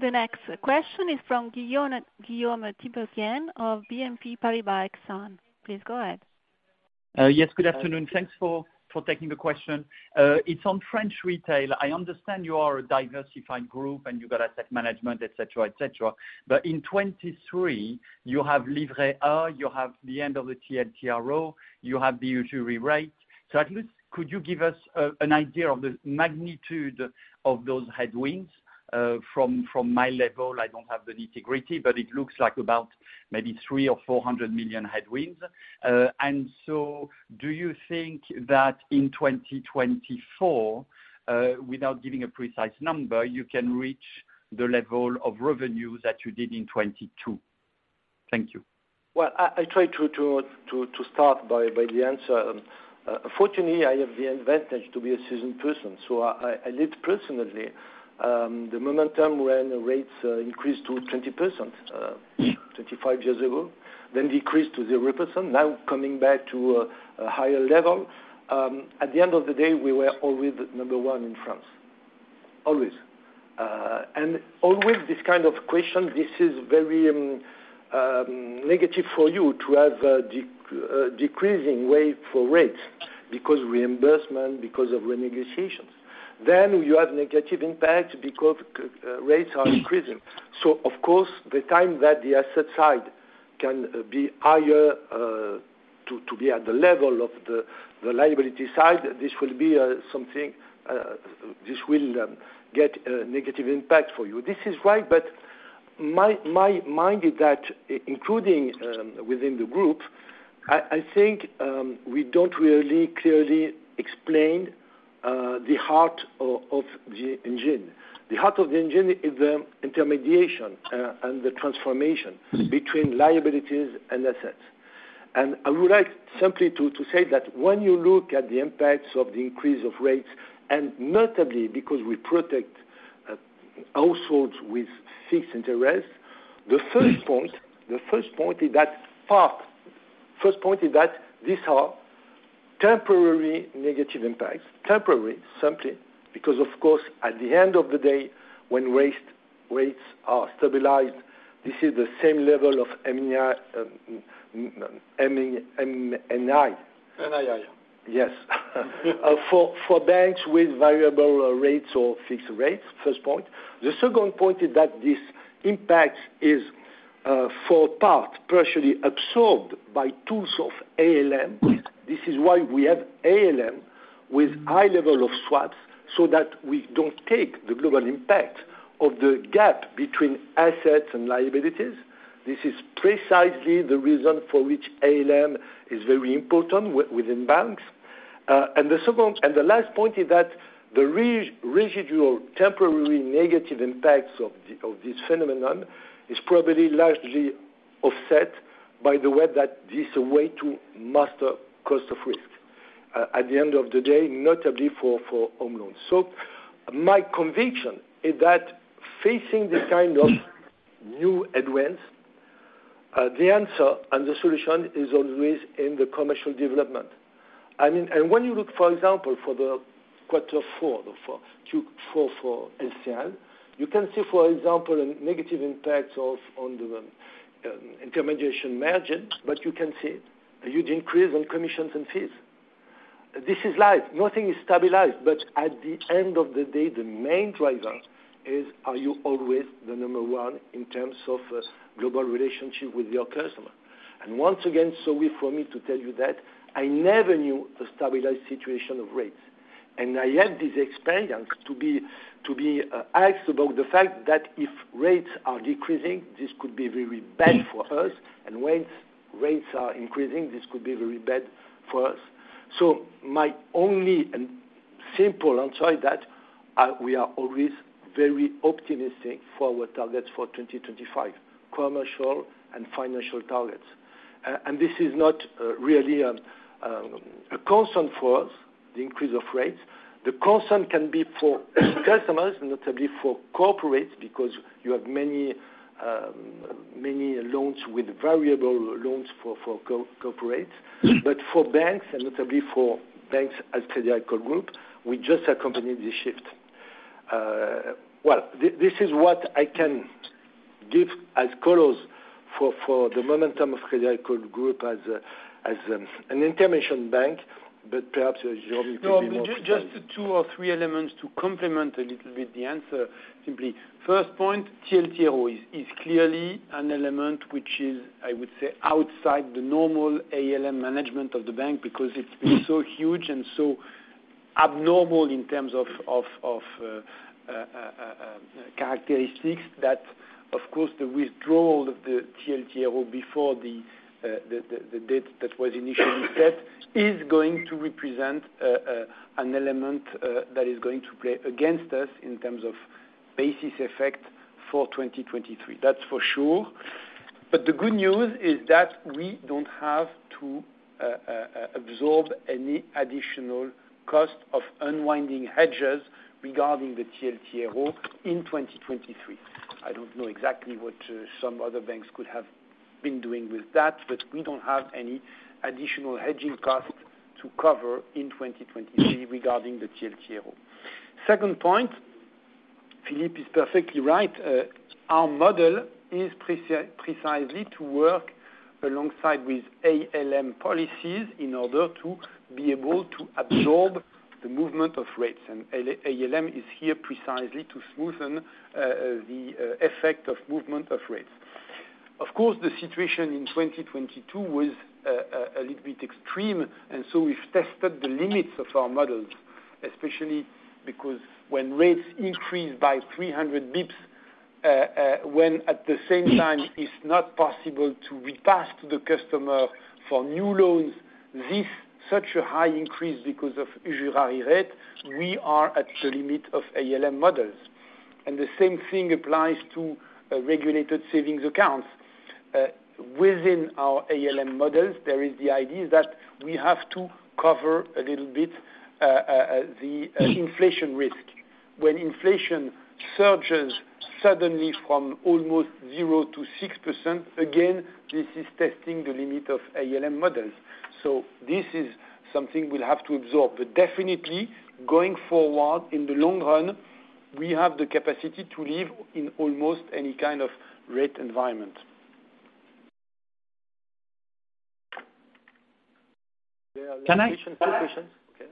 The next question is from Guillaume Tiberghien of BNP Paribas Exane. Please go ahead. Yes, good afternoon. Thanks for taking the question. It's on French retail. I understand you are a diversified group, and you've got asset management, et cetera, et cetera. In 2023, you have Livret A, you have the end of the TLTRO, you have the usual rewrite. At least could you give us an idea of the magnitude of those headwinds, from my level, I don't have the nitty-gritty, but it looks like about maybe 300 million-400 million headwinds. Do you think that in 2024, without giving a precise number, you can reach the level of revenue that you did in 2022? Thank you. Well, I try to start by the answer. Fortunately, I have the advantage to be a seasoned person, so I lived personally the momentum when rates increased to 20%, 25 years ago, then decreased to 0%, now coming back to a higher level. At the end of the day, we were always number one in France, always. Always this kind of question, this is very negative for you to have a decreasing way for rates because reimbursement, because of renegotiations. You have negative impact because rates are increasing. Of course, the time that the asset side can be higher to be at the level of the liability side, this will be something, this will get a negative impact for you. This is why, but my mind is that including, within the group, I think, we don't really clearly explain the heart of the engine. The heart of the engine is intermediation and the transformation between liabilities and assets. I would like simply to say that when you look at the impacts of the increase of rates, and notably because we protect households with fixed interest, the first point is that these are temporary negative impacts, temporary simply because of course, at the end of the day, when rates are stabilized, this is the same level of NII. NII. Yes. For banks with variable rates or fixed rates, first point. The second point is that this impact is partially absorbed by tools of ALM. This is why we have ALM with high level of swaps, that we don't take the global impact of the gap between assets and liabilities. This is precisely the reason for which ALM is very important within banks. The second, and the last point is that the residual temporary negative impacts of this phenomenon is probably largely offset by the way that this is a way to master cost of risk at the end of the day, notably for home loans. My conviction is that facing this kind of new headwinds, the answer and the solution is always in the commercial development. I mean, when you look, for example, for the quarter four for Q4 for LCL, you can see, for example, a negative impact of on the intermediation margin, but you can see a huge increase on commissions and fees. This is life. Nothing is stabilized. At the end of the day, the main driver is, are you always the number one in terms of global relationship with your customer? Once again, sorry for me to tell you that I never knew a stabilized situation of rates. I had this experience to be asked about the fact that if rates are decreasing, this could be very bad for us, and when rates are increasing, this could be very bad for us. My only and simple answer is that we are always very optimistic for our targets for 2025, commercial and financial targets. And this is not really a concern for us, the increase of rates. The concern can be for customers, notably for corporates, because you have many loans with variable loans for corporates. For banks, and notably for banks as Crédit Agricole Group, we just accompany the shift. Well, this is what I can give as colors for the momentum of Crédit Agricole Group as an intervention bank. Perhaps, Jérôme, you can be more precise. Just two or three elements to complement a little bit the answer simply. First point, TLTRO is clearly an element which is, I would say, outside the normal ALM management of the bank because it's been so huge and so abnormal in terms of characteristics that of course, the withdrawal of the TLTRO before the date that was initially set is going to represent an element that is going to play against us in terms of basis effect for 2023. That's for sure. The good news is that we don't have to absorb any additional cost of unwinding hedges regarding the TLTRO in 2023. I don't know exactly what some other banks could have been doing with that, but we don't have any additional hedging costs to cover in 2023 regarding the TLTRO. Second point, Philippe is perfectly right. Our model is precisely to work alongside with ALM policies in order to be able to absorb the movement of rates. ALM is here precisely to smoothen the effect of movement of rates. Of course, the situation in 2022 was a little bit extreme. We've tested the limits of our models, especially because when rates increase by 300 basis points, when at the same time it's not possible to reprice to the customer for new loans, this such a high increase because of usury rate, we are at the limit of ALM models. The same thing applies to regulated savings accounts. Within our ALM models, there is the idea that we have to cover a little bit the inflation risk. When inflation surges suddenly from almost 0% to 6%, again, this is testing the limit of ALM models. This is something we'll have to absorb. Definitely, going forward in the long run, we have the capacity to live in almost any kind of rate environment. Can I- Two questions. Okay.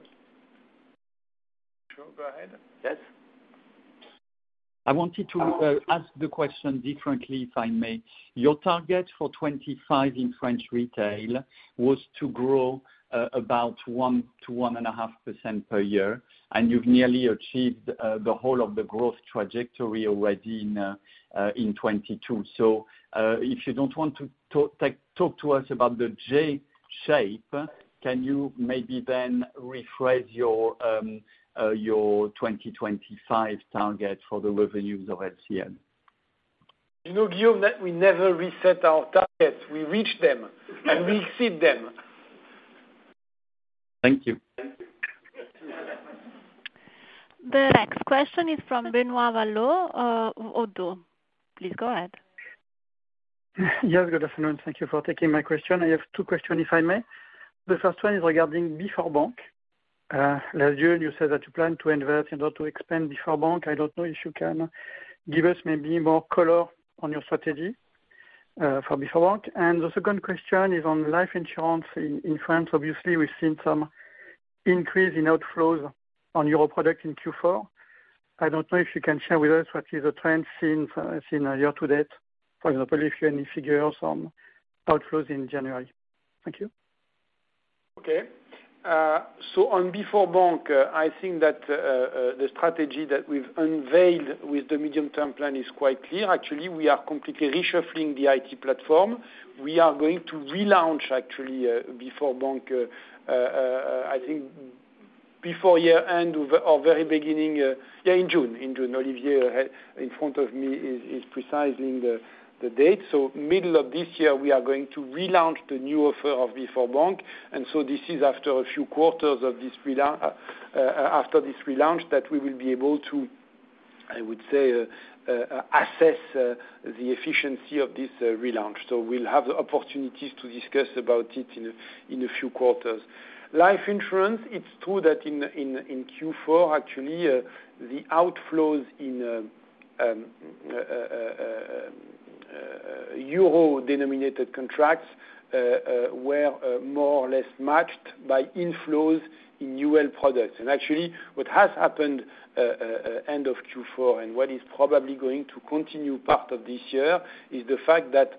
Sure, go ahead. Yes. I wanted to ask the question differently, if I may. Your target for 2025 in French retail was to grow about 1%-1.5% per year, and you've nearly achieved the whole of the growth trajectory already in 2022. If you don't want to talk to us about the J shape, can you maybe then rephrase your 2025 target for the revenues of CACF? You know, Guillaume, that we never reset our targets. We reach them, and we exceed them. Thank you. The next question is from Benoit Valleaux, of ODDO. Please go ahead. Yes, good afternoon. Thank you for taking my question. I have two question, if I may. The first one is regarding BforBank. Last year, you said that you plan to invest in order to expand BforBank. I don't know if you can give us maybe more color on your strategy for BforBank. The second question is on life insurance in France. Obviously, we've seen some increase in outflows on your product in Q4. I don't know if you can share with us what is the trend since year to date. For example, if you have any figures on outflows in January. Thank you. Okay. On BforBank, I think that the strategy that we've unveiled with the medium-term plan is quite clear. Actually, we are completely reshuffling the IT platform. We are going to relaunch actually BforBank, I think before year end or very beginning, in June. In June, Olivier, in front of me, is precising the date. Middle of this year, we are going to relaunch the new offer of BforBank. This is after a few quarters after this relaunch that we will be able to, I would say, assess the efficiency of this relaunch. We'll have the opportunities to discuss about it in a few quarters. Life insurance, it's true that in Q4, actually, the outflows in euro-denominated contracts were more or less matched by inflows in UL products. Actually, what has happened end of Q4, and what is probably going to continue part of this year, is the fact that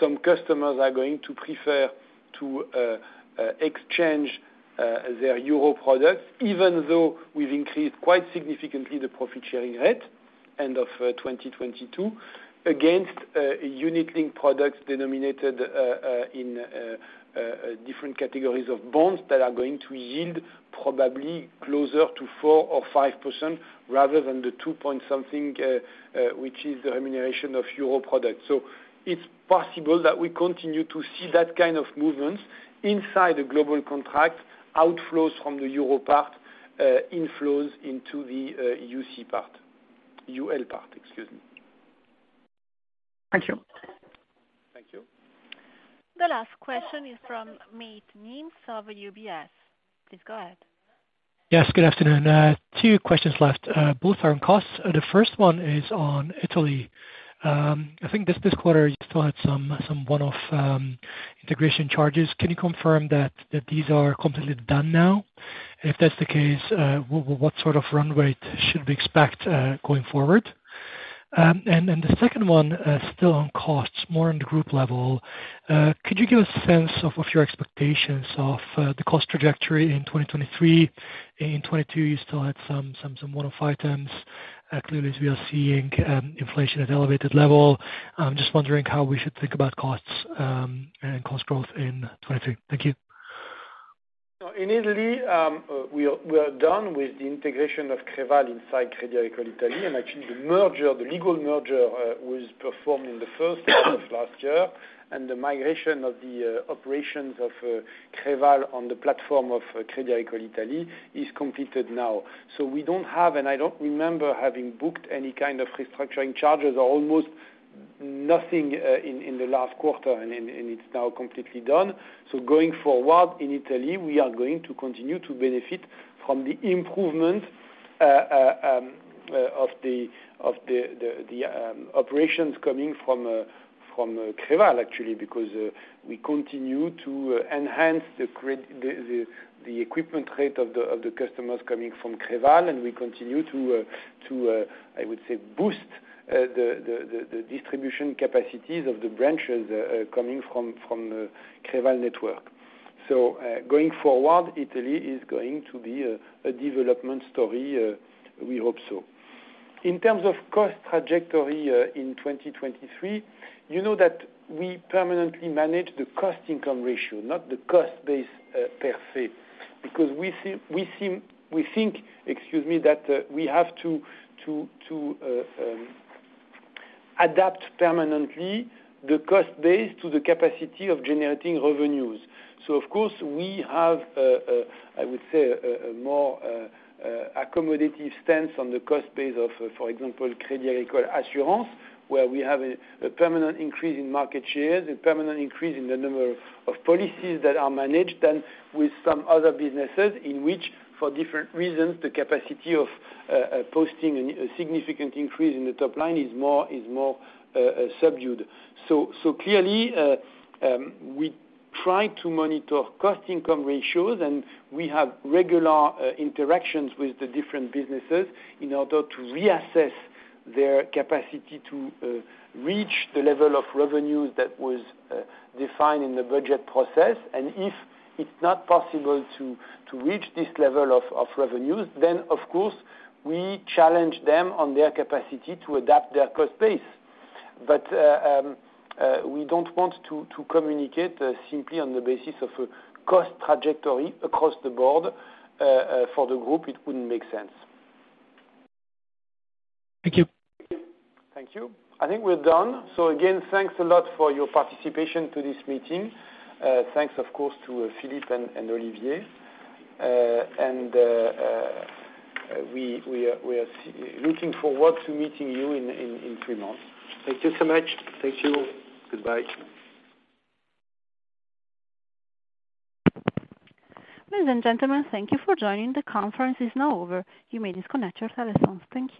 some customers are going to prefer to exchange their euro products, even though we've increased quite significantly the profit-sharing rate end of 2022, against unit-linked products denominated in different categories of bonds that are going to yield probably closer to 4% or 5% rather than the two point something, which is the remuneration of euro products. It's possible that we continue to see that kind of movement inside the global contract, outflows from the euro part, inflows into the UC part. UL part, excuse me. Thank you. Thank you. The last question is from Mate Nemes of UBS. Please go ahead. Yes, good afternoon. Two questions left, both are on costs. The first one is on Italy. I think this quarter you still had some one-off integration charges. Can you confirm that these are completely done now? If that's the case, what sort of run rate should we expect going forward? The second one, still on costs, more on the group level. Could you give a sense of your expectations of the cost trajectory in 2023? In 2022, you still had some one-off items. Clearly, we are seeing inflation at elevated level. I'm just wondering how we should think about costs and cost growth in 2023. Thank you. In Italy, we are done with the integration of Creval inside Crédit Agricole Italia. Actually, the merger, the legal merger, was performed in the first half of last year. The migration of the operations of Creval on the platform of Crédit Agricole Italia is completed now. We don't have, and I don't remember having booked any kind of restructuring charges or almost nothing, in the last quarter, and it's now completely done. the, of the, um, operations coming from, uh, from Creval actually, because, uh, we continue to enhance the equipment rate of the customers coming from Creval, and we continue to boost the distribution capacities of the branches coming from Creval network. Going forward, Italy is going to be a development story, we hope so. In terms of cost trajectory, in 2023, you know that we permanently manage the cost income ratio, not the cost base per se. We think, excuse me, that we have to adapt permanently the cost base to the capacity of generating revenues. Of course, we have, I would say, a more accommodative stance on the cost base of, for example, Crédit Agricole Assurances, where we have a permanent increase in market share, the permanent increase in the number of policies that are managed, and with some other businesses in which, for different reasons, the capacity of posting a significant increase in the top line is more subdued. Clearly, we try to monitor cost income ratios, we have regular interactions with the different businesses in order to reassess their capacity to reach the level of revenues that was defined in the budget process. If it's not possible to reach this level of revenues, then of course, we challenge them on their capacity to adapt their cost base. We don't want to communicate simply on the basis of a cost trajectory across the board for the Group, it wouldn't make sense. Thank you. Thank you. I think we're done. Again, thanks a lot for your participation to this meeting. Thanks, of course, to Philippe and Olivier. We are looking forward to meeting you in three months. Thank you so much. Thank you. Goodbye. Ladies and gentlemen, thank you for joining. The conference is now over. You may disconnect your telephones. Thank you.